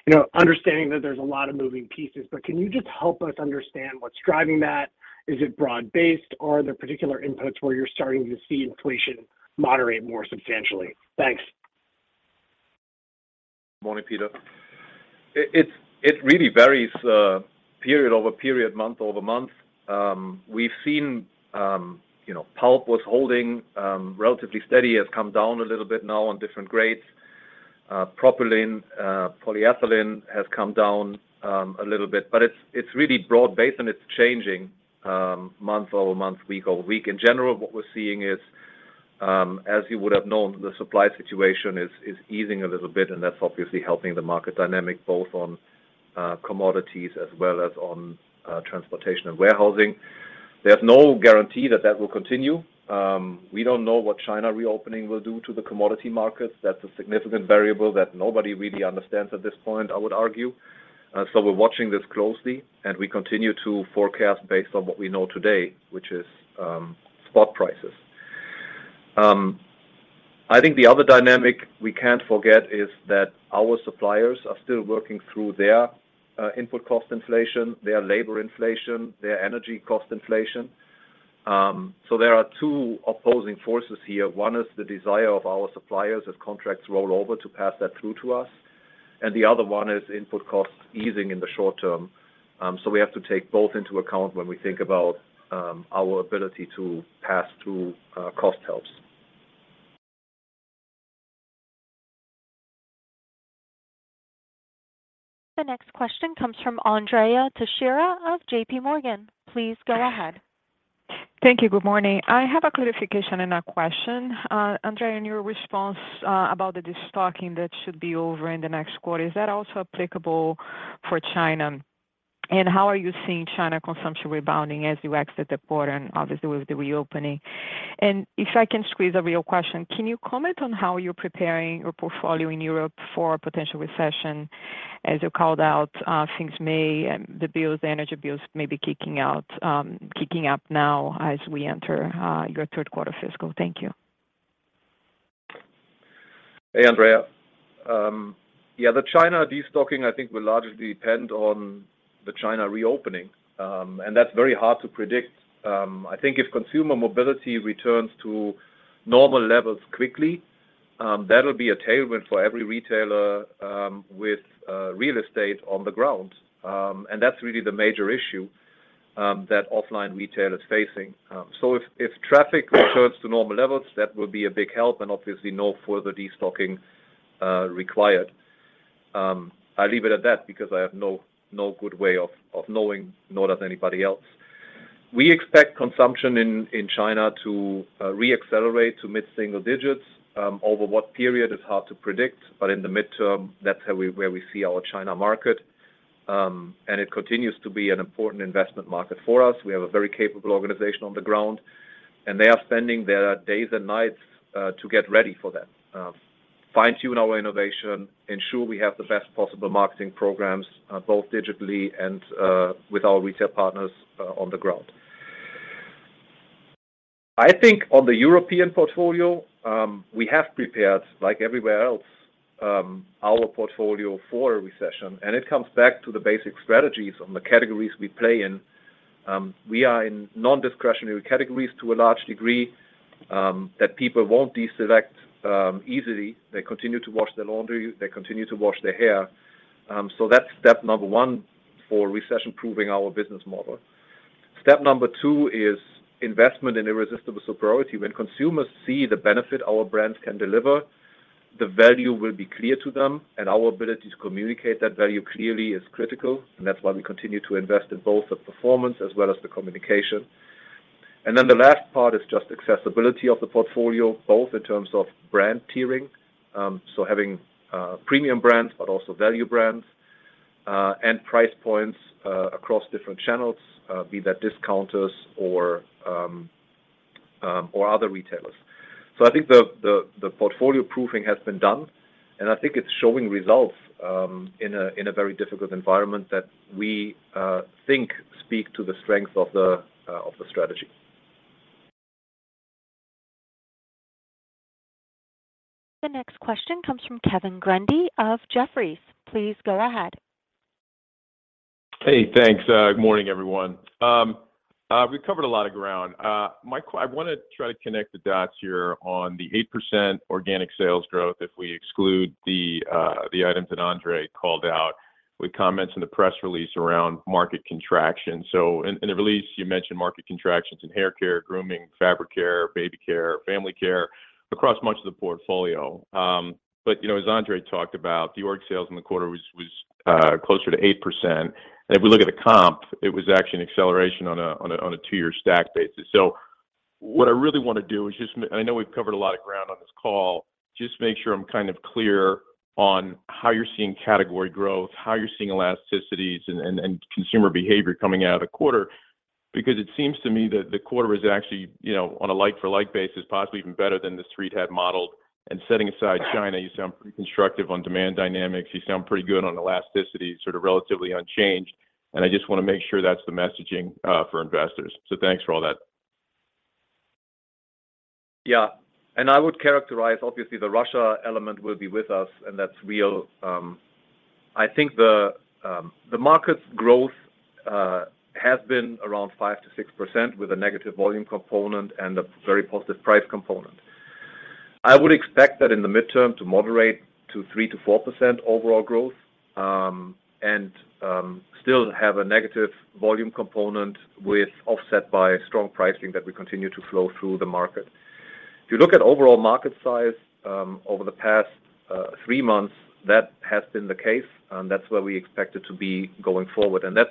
You know, understanding that there's a lot of moving pieces, Can you just help us understand what's driving that? Is it broad-based, or are there particular inputs where you're starting to see inflation moderate more substantially? Thanks. Morning, Peter. It really varies, period-over-period, month-over-month. We've seen, you know, pulp was holding relatively steady. It's come down a little bit now on different grades. Propylene, polyethylene has come down a little bit, but it's really broad-based and it's changing, month-over-month, week-over-week. In general, what we're seeing is, as you would have known, the supply situation is easing a little bit, and that's obviously helping the market dynamic both on commodities as well as on transportation and warehousing. There's no guarantee that that will continue. We don't know what China reopening will do to the commodity markets. That's a significant variable that nobody really understands at this point, I would argue. We're watching this closely, and we continue to forecast based on what we know today, which is spot prices. I think the other dynamic we can't forget is that our suppliers are still working through their input cost inflation, their labor inflation, their energy cost inflation. There are two opposing forces here. One is the desire of our suppliers as contracts roll over to pass that through to us, and the other one is input costs easing in the short term. We have to take both into account when we think about our ability to pass through cost helps. The next question comes from Andrea Teixeira of JPMorgan. Please go ahead. Thank you. Good morning. I have a clarification and a question. Andrea, in your response, about the destocking that should be over in the next quarter, is that also applicable for China? How are you seeing China consumption rebounding as you exit the quarter and obviously with the reopening? If I can squeeze a real question, can you comment on how you're preparing your portfolio in Europe for potential recession as you called out, things may, the bills, the energy bills may be kicking up now as we enter, your Q3 fiscal? Thank you. Hey, Andrea. The China destocking, I think, will largely depend on the China reopening, and that's very hard to predict. I think if consumer mobility returns to normal levels quickly, that'll be a tailwind for every retailer with real estate on the ground. That's really the major issue that offline retail is facing. If traffic returns to normal levels, that will be a big help and obviously no further destocking required. I'll leave it at that because I have no good way of knowing, nor does anybody else. We expect consumption in China to re-accelerate to mid-single digits. Over what period is hard to predict, but in the mid-term, that's where we see our China market. It continues to be an important investment market for us. We have a very capable organization on the ground. They are spending their days and nights to get ready for that. Fine-tune our innovation, ensure we have the best possible marketing programs, both digitally and with our retail partners on the ground. I think on the European portfolio, we have prepared, like everywhere else, our portfolio for a recession. It comes back to the basic strategies on the categories we play in. We are in non-discretionary categories to a large degree that people won't deselect easily. They continue to wash their laundry, they continue to wash their hair. That's step number one for recession-proofing our business model. Step number two is investment in irresistible superiority. When consumers see the benefit our brands can deliver, the value will be clear to them. Our ability to communicate that value clearly is critical. That's why we continue to invest in both the performance as well as the communication. The last part is just accessibility of the portfolio, both in terms of brand tiering, so having premium brands, but also value brands and price points across different channels, be that discounters or other retailers. I think the portfolio proofing has been done, and I think it's showing results in a very difficult environment that we think speak to the strength of the strategy. The next question comes from Kevin Grundy of Jefferies. Please go ahead. Hey, thanks. Good morning, everyone. We've covered a lot of ground. I wanna try to connect the dots here on the 8% Organic sales growth if we exclude the items that Andre called out with comments in the press release around market contraction. In the release, you mentioned market contractions in hair care, grooming, fabric care, baby care, family care, across much of the portfolio. But, you know, as Andre talked about, the Organic sales in the quarter was closer to 8%. If we look at the comp, it was actually an acceleration on a 2-year stack basis. What I really wanna do is, and I know we've covered a lot of ground on this call, just make sure I'm kind of clear on how you're seeing category growth, how you're seeing elasticities and consumer behavior coming out of the quarter. It seems to me that the quarter is actually, you know, on a like-for-like basis, possibly even better than the street had modeled. Setting aside China, you sound pretty constructive on demand dynamics. You sound pretty good on elasticity, sort of relatively unchanged. I just wanna make sure that's the messaging for investors. Thanks for all that. Yeah. I would characterize, obviously, the Russia element will be with us, and that's real. I think the market growth has been around 5%-6% with a negative volume component and a very positive price component. I would expect that in the mid-term to moderate to 3%-4% overall growth. Still have a negative volume component with offset by strong pricing that we continue to flow through the market. If you look at overall market size, over the past 3 months, that has been the case, and that's where we expect it to be going forward. That's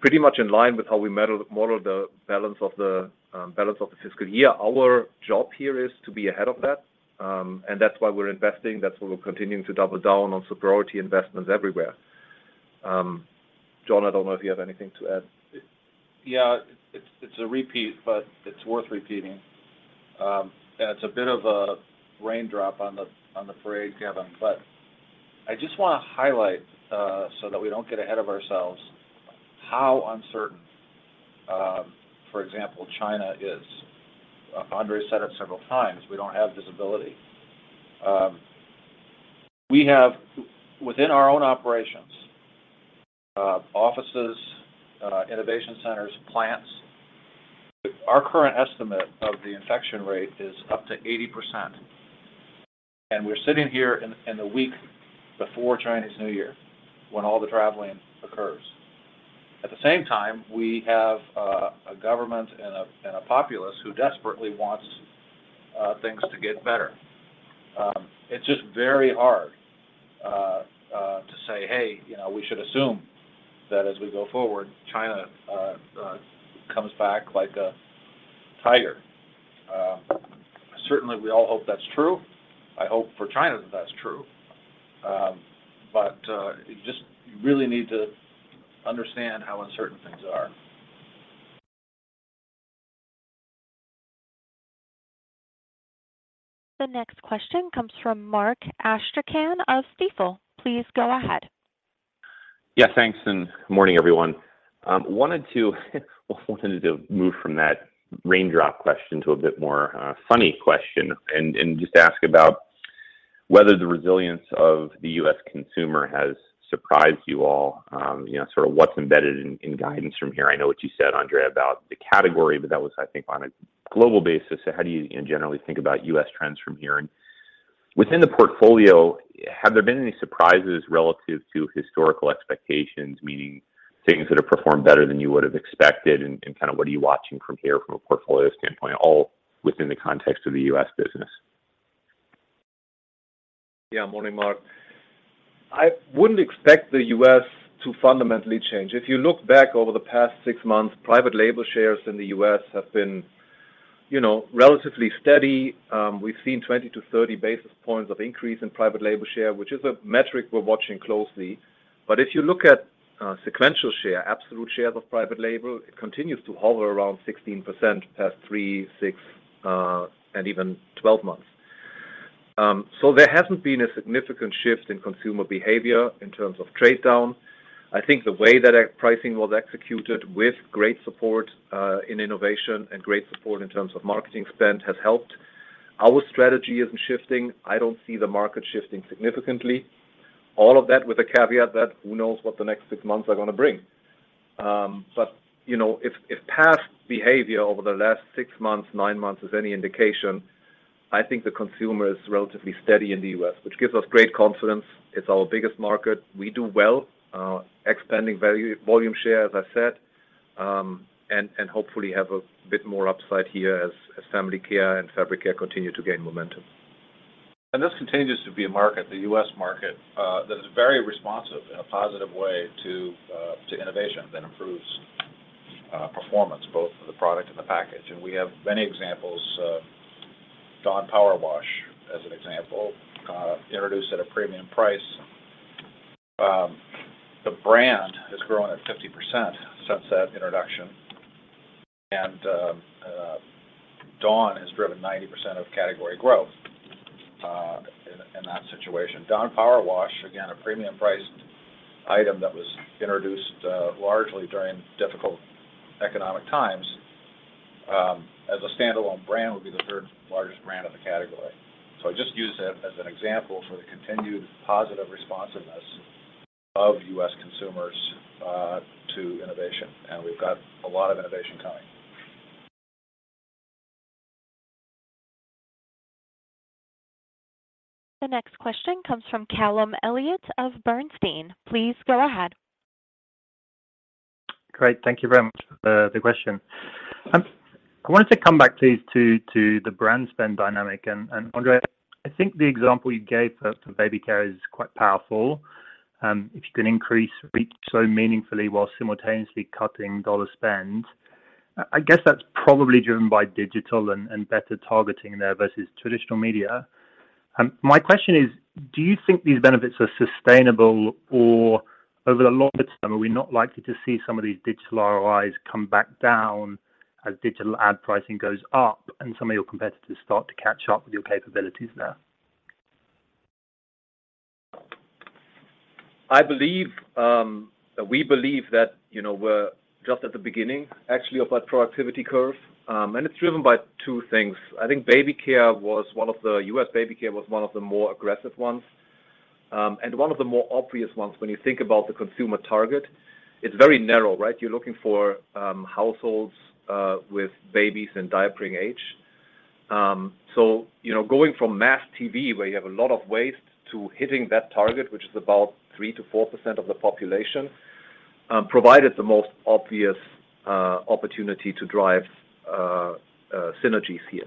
pretty much in line with how we model the balance of the balance of the fiscal year. Our job here is to be ahead of that, and that's why we're investing. That's why we're continuing to double down on superiority investments everywhere. Jon, I don't know if you have anything to add. Yeah. It's a repeat, but it's worth repeating. It's a bit of a raindrop on the parade, Kevin, I just wanna highlight so that we don't get ahead of ourselves, how uncertain, for example, China is. Andre said it several times, we don't have visibility. We have, within our own operations, offices, innovation centers, plants. Our current estimate of the infection rate is up to 80%, we're sitting here in the week before Chinese New Year, when all the traveling occurs. At the same time, we have a government and a populace who desperately wants things to get better. It's just very hard to say, "Hey, you know, we should assume that as we go forward, China comes back like a tiger." Certainly, we all hope that's true. I hope for China that that's true. You just really need to understand how uncertain things are. The next question comes from Mark Astrachan of Stifel. Please go ahead. Yeah, thanks, and morning, everyone. Wanted to move from that raindrop question to a bit more, funny question and just ask about whether the resilience of the US consumer has surprised you all. You know, sort of what's embedded in guidance from here. I know what you said, Andre, about the category, but that was, I think, on a global basis. How do you know, generally think about US trends from here? Within the portfolio, have there been any surprises relative to historical expectations, meaning things that have performed better than you would have expected, and kind of what are you watching from here from a portfolio standpoint, all within the context of the US business? Morning, Mark Astrachan. I wouldn't expect the U.S. to fundamentally change. If you look back over the past 6 months, private label shares in the U.S. have been, you know, relatively steady. We've seen 20-30 basis points of increase in private label share, which is a metric we're watching closely. If you look at sequential share, absolute shares of private label, it continues to hover around 16% past 3, 6, and even 12 months. There hasn't been a significant shift in consumer behavior in terms of trade-down. I think the way that our pricing was executed with great support in innovation and great support in terms of marketing spend has helped. Our strategy isn't shifting. I don't see the market shifting significantly. All of that with the caveat that who knows what the next 6 months are gonna bring. You know, if past behavior over the last 6 months, 9 months is any indication, I think the consumer is relatively steady in the U.S., which gives us great confidence. It's our biggest market. We do well, expanding volume share, as I said, and hopefully have a bit more upside here as family care and fabric care continue to gain momentum. This continues to be a market, the U.S. market, that is very responsive in a positive way to innovation that improves performance, both for the product and the package. We have many examples. Dawn Powerwash, as an example, introduced at a premium price. The brand has grown at 50% since that introduction. Dawn has driven 90% of category growth in that situation. Dawn Powerwash, again, a premium priced item that was introduced largely during difficult economic times, as a standalone brand would be the third-largest brand in the category. I just use that as an example for the continued positive responsiveness of U.S. consumers to innovation, and we've got a lot of innovation coming. The next question comes from Callum Elliott of Bernstein. Please go ahead. Great. Thank you very much for the question. I wanted to come back, please, to the brand spend dynamic. Andre, I think the example you gave for baby care is quite powerful. If you can increase reach so meaningfully while simultaneously cutting dollar spend, I guess that's probably driven by digital and better targeting there versus traditional media. My question is, do you think these benefits are sustainable? Over the longer term, are we not likely to see some of these digital ROIs come back down as digital ad pricing goes up and some of your competitors start to catch up with your capabilities there? I believe, we believe that, you know, we're just at the beginning actually of that productivity curve. It's driven by 2 things. I think US baby care was one of the more aggressive ones, and one of the more obvious ones when you think about the consumer target. It's very narrow, right? You're looking for households with babies in diapering age. You know, going from mass TV, where you have a lot of waste, to hitting that target, which is about 3%-4% of the population, provided the most obvious opportunity to drive synergies here.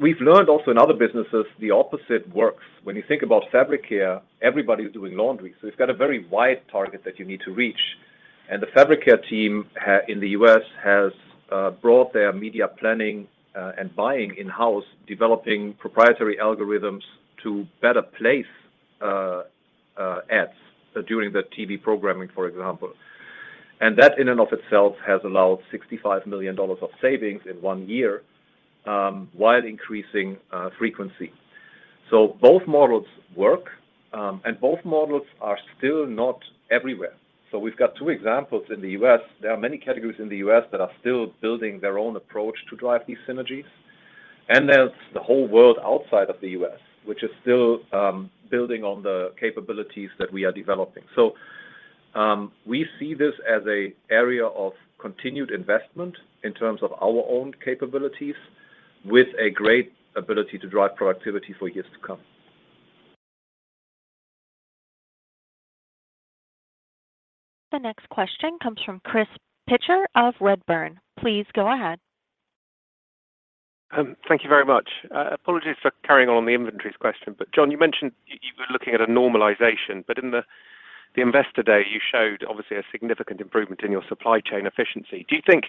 We've learned also in other businesses, the opposite works. When you think about fabric care, everybody's doing laundry, so it's got a very wide target that you need to reach. The fabric care team in the U.S. has brought their media planning and buying in-house, developing proprietary algorithms to better place ads during the TV programming, for example. That in and of itself has allowed $65 million of savings in 1 year, while increasing frequency. Both models work, and both models are still not everywhere. We've got 2 examples in the U.S. There are many categories in the U.S. that are still building their own approach to drive these synergies. There's the whole world outside of the U.S., which is still building on the capabilities that we are developing. We see this as a area of continued investment in terms of our own capabilities with a great ability to drive productivity for years to come. The next question comes from Chris Pitcher of Redburn. Please go ahead. Thank you very much. Apologies for carrying on the inventories question, Jon, you mentioned you were looking at a normalization, in the Investor Day, you showed obviously a significant improvement in your supply chain efficiency. Do you think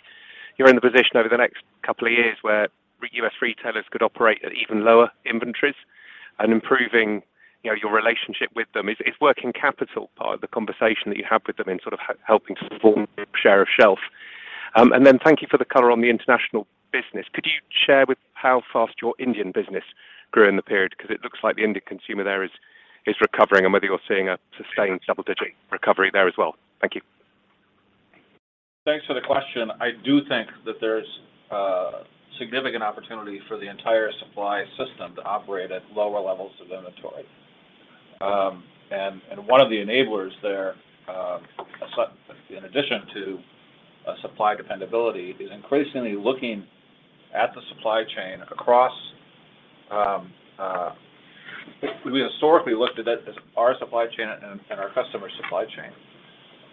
you're in the position over the next 2 years where U.S. retailers could operate at even lower inventories and improving, you know, your relationship with them? Is working capital part of the conversation that you have with them in sort of helping to form group share of shelf? Thank you for the color on the international business. Could you share with how fast your Indian business grew in the period? 'Cause it looks like the Indian consumer there is recovering and whether you're seeing a sustained double-digit recovery there as well. Thank you. Thanks for the question. I do think that there's significant opportunity for the entire supply system to operate at lower levels of inventory. One of the enablers there, in addition to supply dependability, is increasingly looking at the supply chain across. We historically looked at it as our supply chain and our customer supply chain.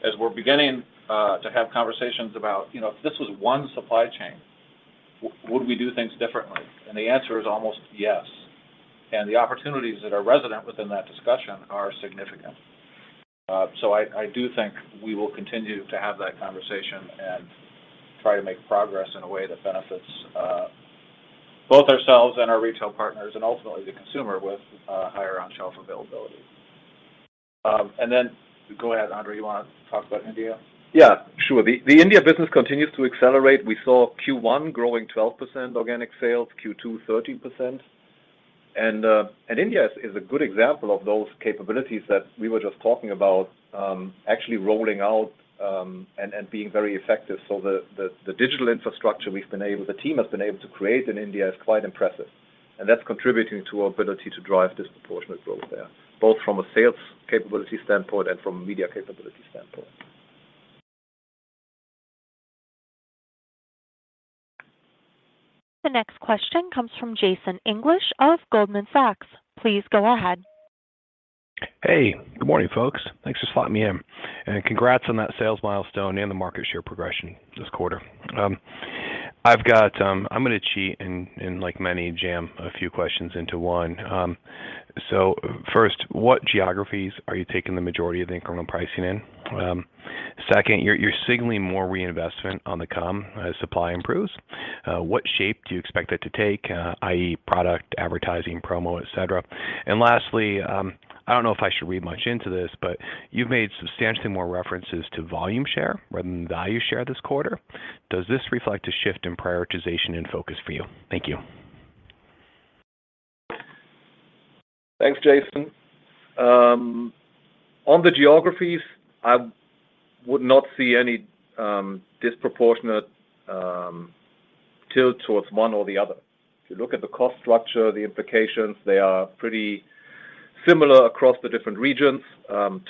As we're beginning to have conversations about, you know, if this was one supply chain, would we do things differently? The answer is almost yes. The opportunities that are resident within that discussion are significant. I do think we will continue to have that conversation and try to make progress in a way that benefits both ourselves and our retail partners and ultimately the consumer with higher on-shelf availability. Go ahead, Andre. You wanna talk about India? Yeah, sure. The India business continues to accelerate. We saw Q1 growing 12% organic sales, Q2 13%. India is a good example of those capabilities that we were just talking about, actually rolling out and being very effective. The digital infrastructure the team has been able to create in India is quite impressive, and that's contributing to our ability to drive disproportionate growth there, both from a sales capability standpoint and from a media capability standpoint. The next question comes from Jason English of Goldman Sachs. Please go ahead. Hey, good morning, folks. Thanks for slotting me in. Congrats on that sales milestone and the market share progression this quarter. I'm gonna cheat and like many, jam a few questions into one. First, what geographies are you taking the majority of the incremental pricing in? Second, you're signaling more reinvestment on the comm as supply improves. What shape do you expect it to take, i.e., product, advertising, promo, et cetera? Lastly, I don't know if I should read much into this, but you've made substantially more references to volume share rather than value share this quarter. Does this reflect a shift in prioritization and focus for you? Thank you. Thanks, Jason. On the geographies, I would not see any disproportionate tilt towards one or the other. If you look at the cost structure, the implications, they are pretty similar across the different regions.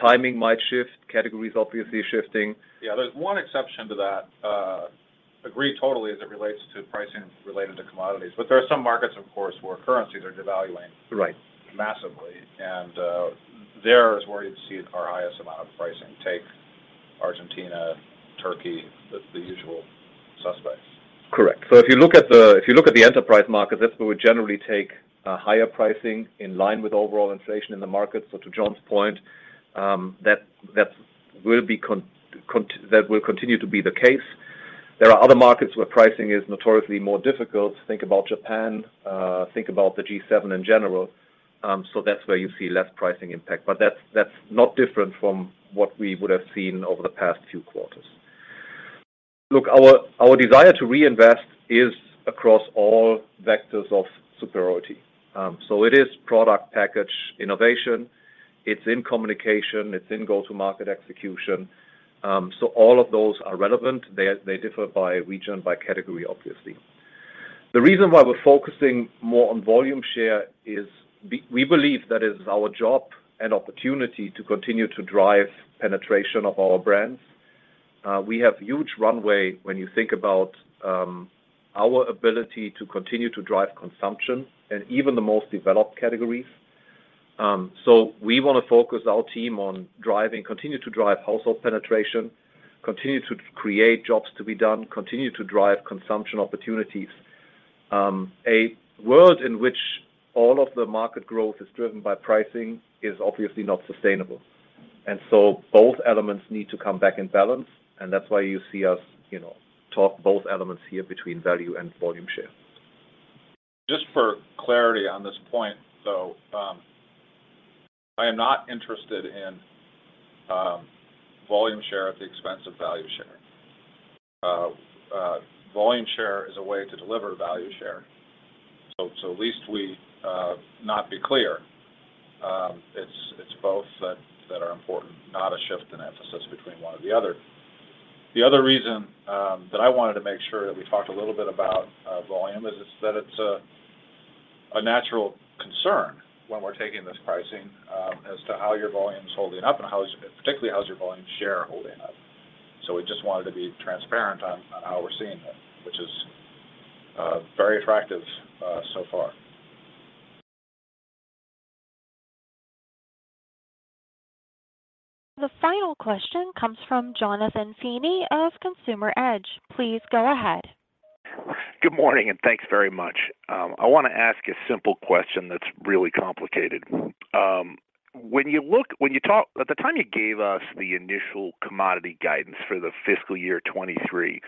Timing might shift. Category is obviously shifting. Yeah. There's one exception to that. Agree totally as it relates to pricing related to commodities, there are some markets, of course, where currencies are devaluing- Right massively. There is where you'd see our highest amount of pricing. Take Argentina, Turkey, the usual suspects. Correct. If you look at the enterprise market, that's where we generally take a higher pricing in line with overall inflation in the market. To Jon's point, that will continue to be the case. There are other markets where pricing is notoriously more difficult. Think about Japan, think about the G7 in general. That's where you see less pricing impact. That's not different from what we would have seen over the past few quarters. Look, our desire to reinvest is across all vectors of superiority. It is product package innovation, it's in communication, it's in go-to-market execution. All of those are relevant. They differ by region, by category, obviously. The reason why we're focusing more on volume share is we believe that it is our job and opportunity to continue to drive penetration of our brands. We have huge runway when you think about our ability to continue to drive consumption in even the most developed categories. We wanna focus our team on continue to drive household penetration, continue to create jobs to be done, continue to drive consumption opportunities. A world in which all of the market growth is driven by pricing is obviously not sustainable. Both elements need to come back in balance, and that's why you see us, you know, talk both elements here between value and volume share. Just for clarity on this point, though, I am not interested in volume share at the expense of value share. Volume share is a way to deliver value share. At least we not be clear, it's both that are important, not a shift in emphasis between one or the other. The other reason that I wanted to make sure that we talked a little bit about volume is that it's a natural concern when we're taking this pricing as to how your volume's holding up and particularly, how is your volume share holding up. We just wanted to be transparent on how we're seeing it, which is very attractive so far. The final question comes from Jonathan Feeney of Consumer Edge. Please go ahead. Good morning, and thanks very much. I wanna ask a simple question that's really complicated. When you talk At the time you gave us the initial commodity guidance for the fiscal year 23,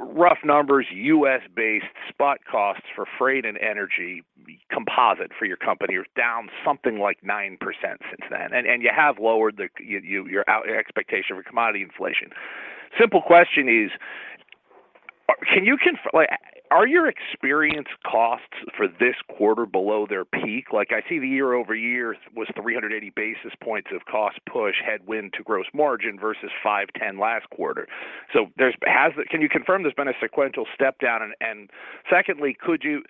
rough numbers, U.S.-based spot costs for freight and energy composite for your company was down something like 9% since then. You have lowered the expectation for commodity inflation. Simple question is, can you Like, are your experience costs for this quarter below their peak? Like, I see the year-over-year was 380 basis points of cost push headwind to gross margin versus 510 basis points last quarter. So there's. Can you confirm there's been a sequential step down? Secondly, could you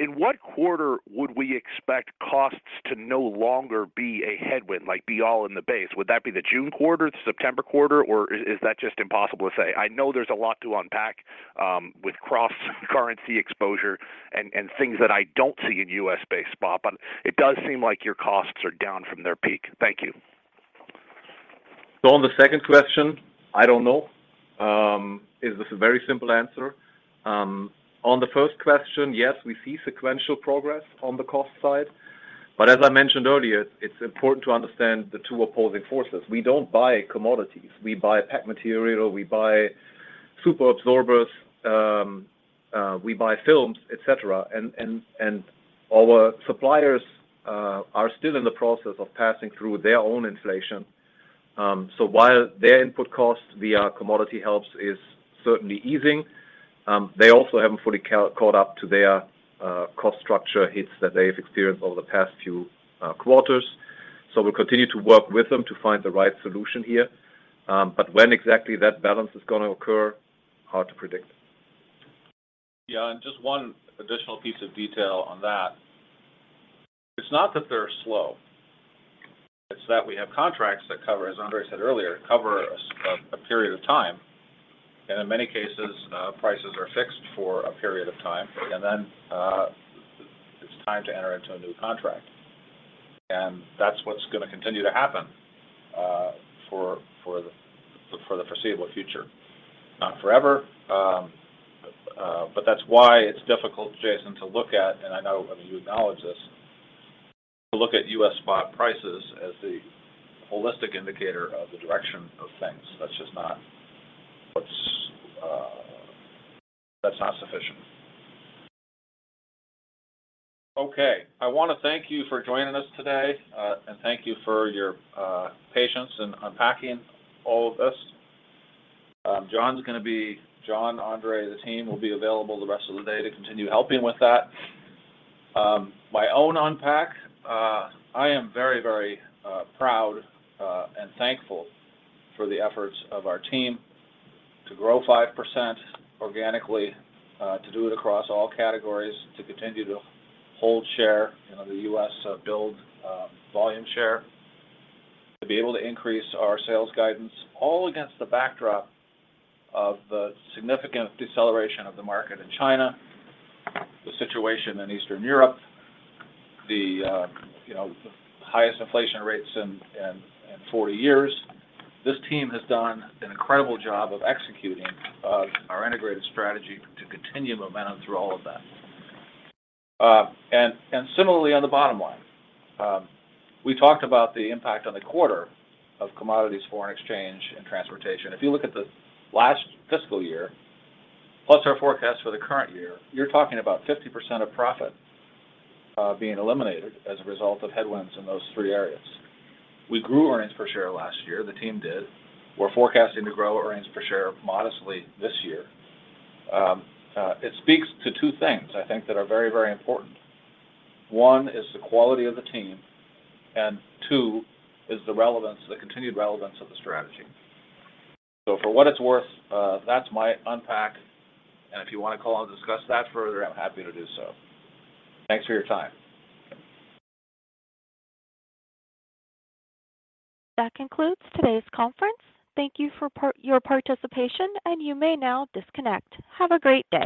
in what quarter would we expect costs to no longer be a headwind, like be all in the base? Would that be the June quarter, the September quarter, or is that just impossible to say? I know there's a lot to unpack with cross-currency exposure and things that I don't see in U.S.-based spot, but it does seem like your costs are down from their peak. Thank you. On the second question, I don't know, is this a very simple answer. On the first question, yes, we see sequential progress on the cost side. As I mentioned earlier, it's important to understand the two opposing forces. We don't buy commodities. We buy pack material, we buy super absorbers, we buy films, et cetera. Our suppliers are still in the process of passing through their own inflation. While their input costs via commodity helps is certainly easing, they also haven't fully caught up to their cost structure hits that they have experienced over the past few quarters. We'll continue to work with them to find the right solution here. When exactly that balance is gonna occur, hard to predict. Yeah, just one additional piece of detail on that. It's not that they're slow. It's that we have contracts that cover, as Andre said earlier, cover a period of time. In many cases, prices are fixed for a period of time, and then it's time to enter into a new contract. That's what's gonna continue to happen for the foreseeable future. Not forever, but that's why it's difficult, Jason, to look at, and I know, I mean, you acknowledge this, to look at U.S. spot prices as the holistic indicator of the direction of things. That's just not what's, that's not sufficient. Okay. I wanna thank you for joining us today, and thank you for your patience in unpacking all of this. Jon's gonna be... Jon, Andre, the team will be available the rest of the day to continue helping with that. my own unpack, I am very, very proud and thankful for the efforts of our team to grow 5% organically, to do it across all categories, to continue to hold share, you know, the U.S., build volume share, to be able to increase our sales guidance, all against the backdrop of the significant deceleration of the market in China, the situation in Eastern Europe, the, you know, highest inflation rates in 40 years. This team has done an incredible job of executing our integrated strategy to continue momentum through all of that. Similarly on the bottom line, we talked about the impact on the quarter of commodities, foreign exchange, and transportation. If you look at the last fiscal year, plus our forecast for the current year, you're talking about 50% of profit being eliminated as a result of headwinds in those three areas. We grew earnings per share last year, the team did. We're forecasting to grow earnings per share modestly this year. It speaks to 2 things I think that are very, very important. 1 is the quality of the team, and 2 is the relevance, the continued relevance of the strategy. For what it's worth, that's my unpack. If you wanna call and discuss that further, I'm happy to do so. Thanks for your time. That concludes today's conference. Thank you for your participation. You may now disconnect. Have a great day.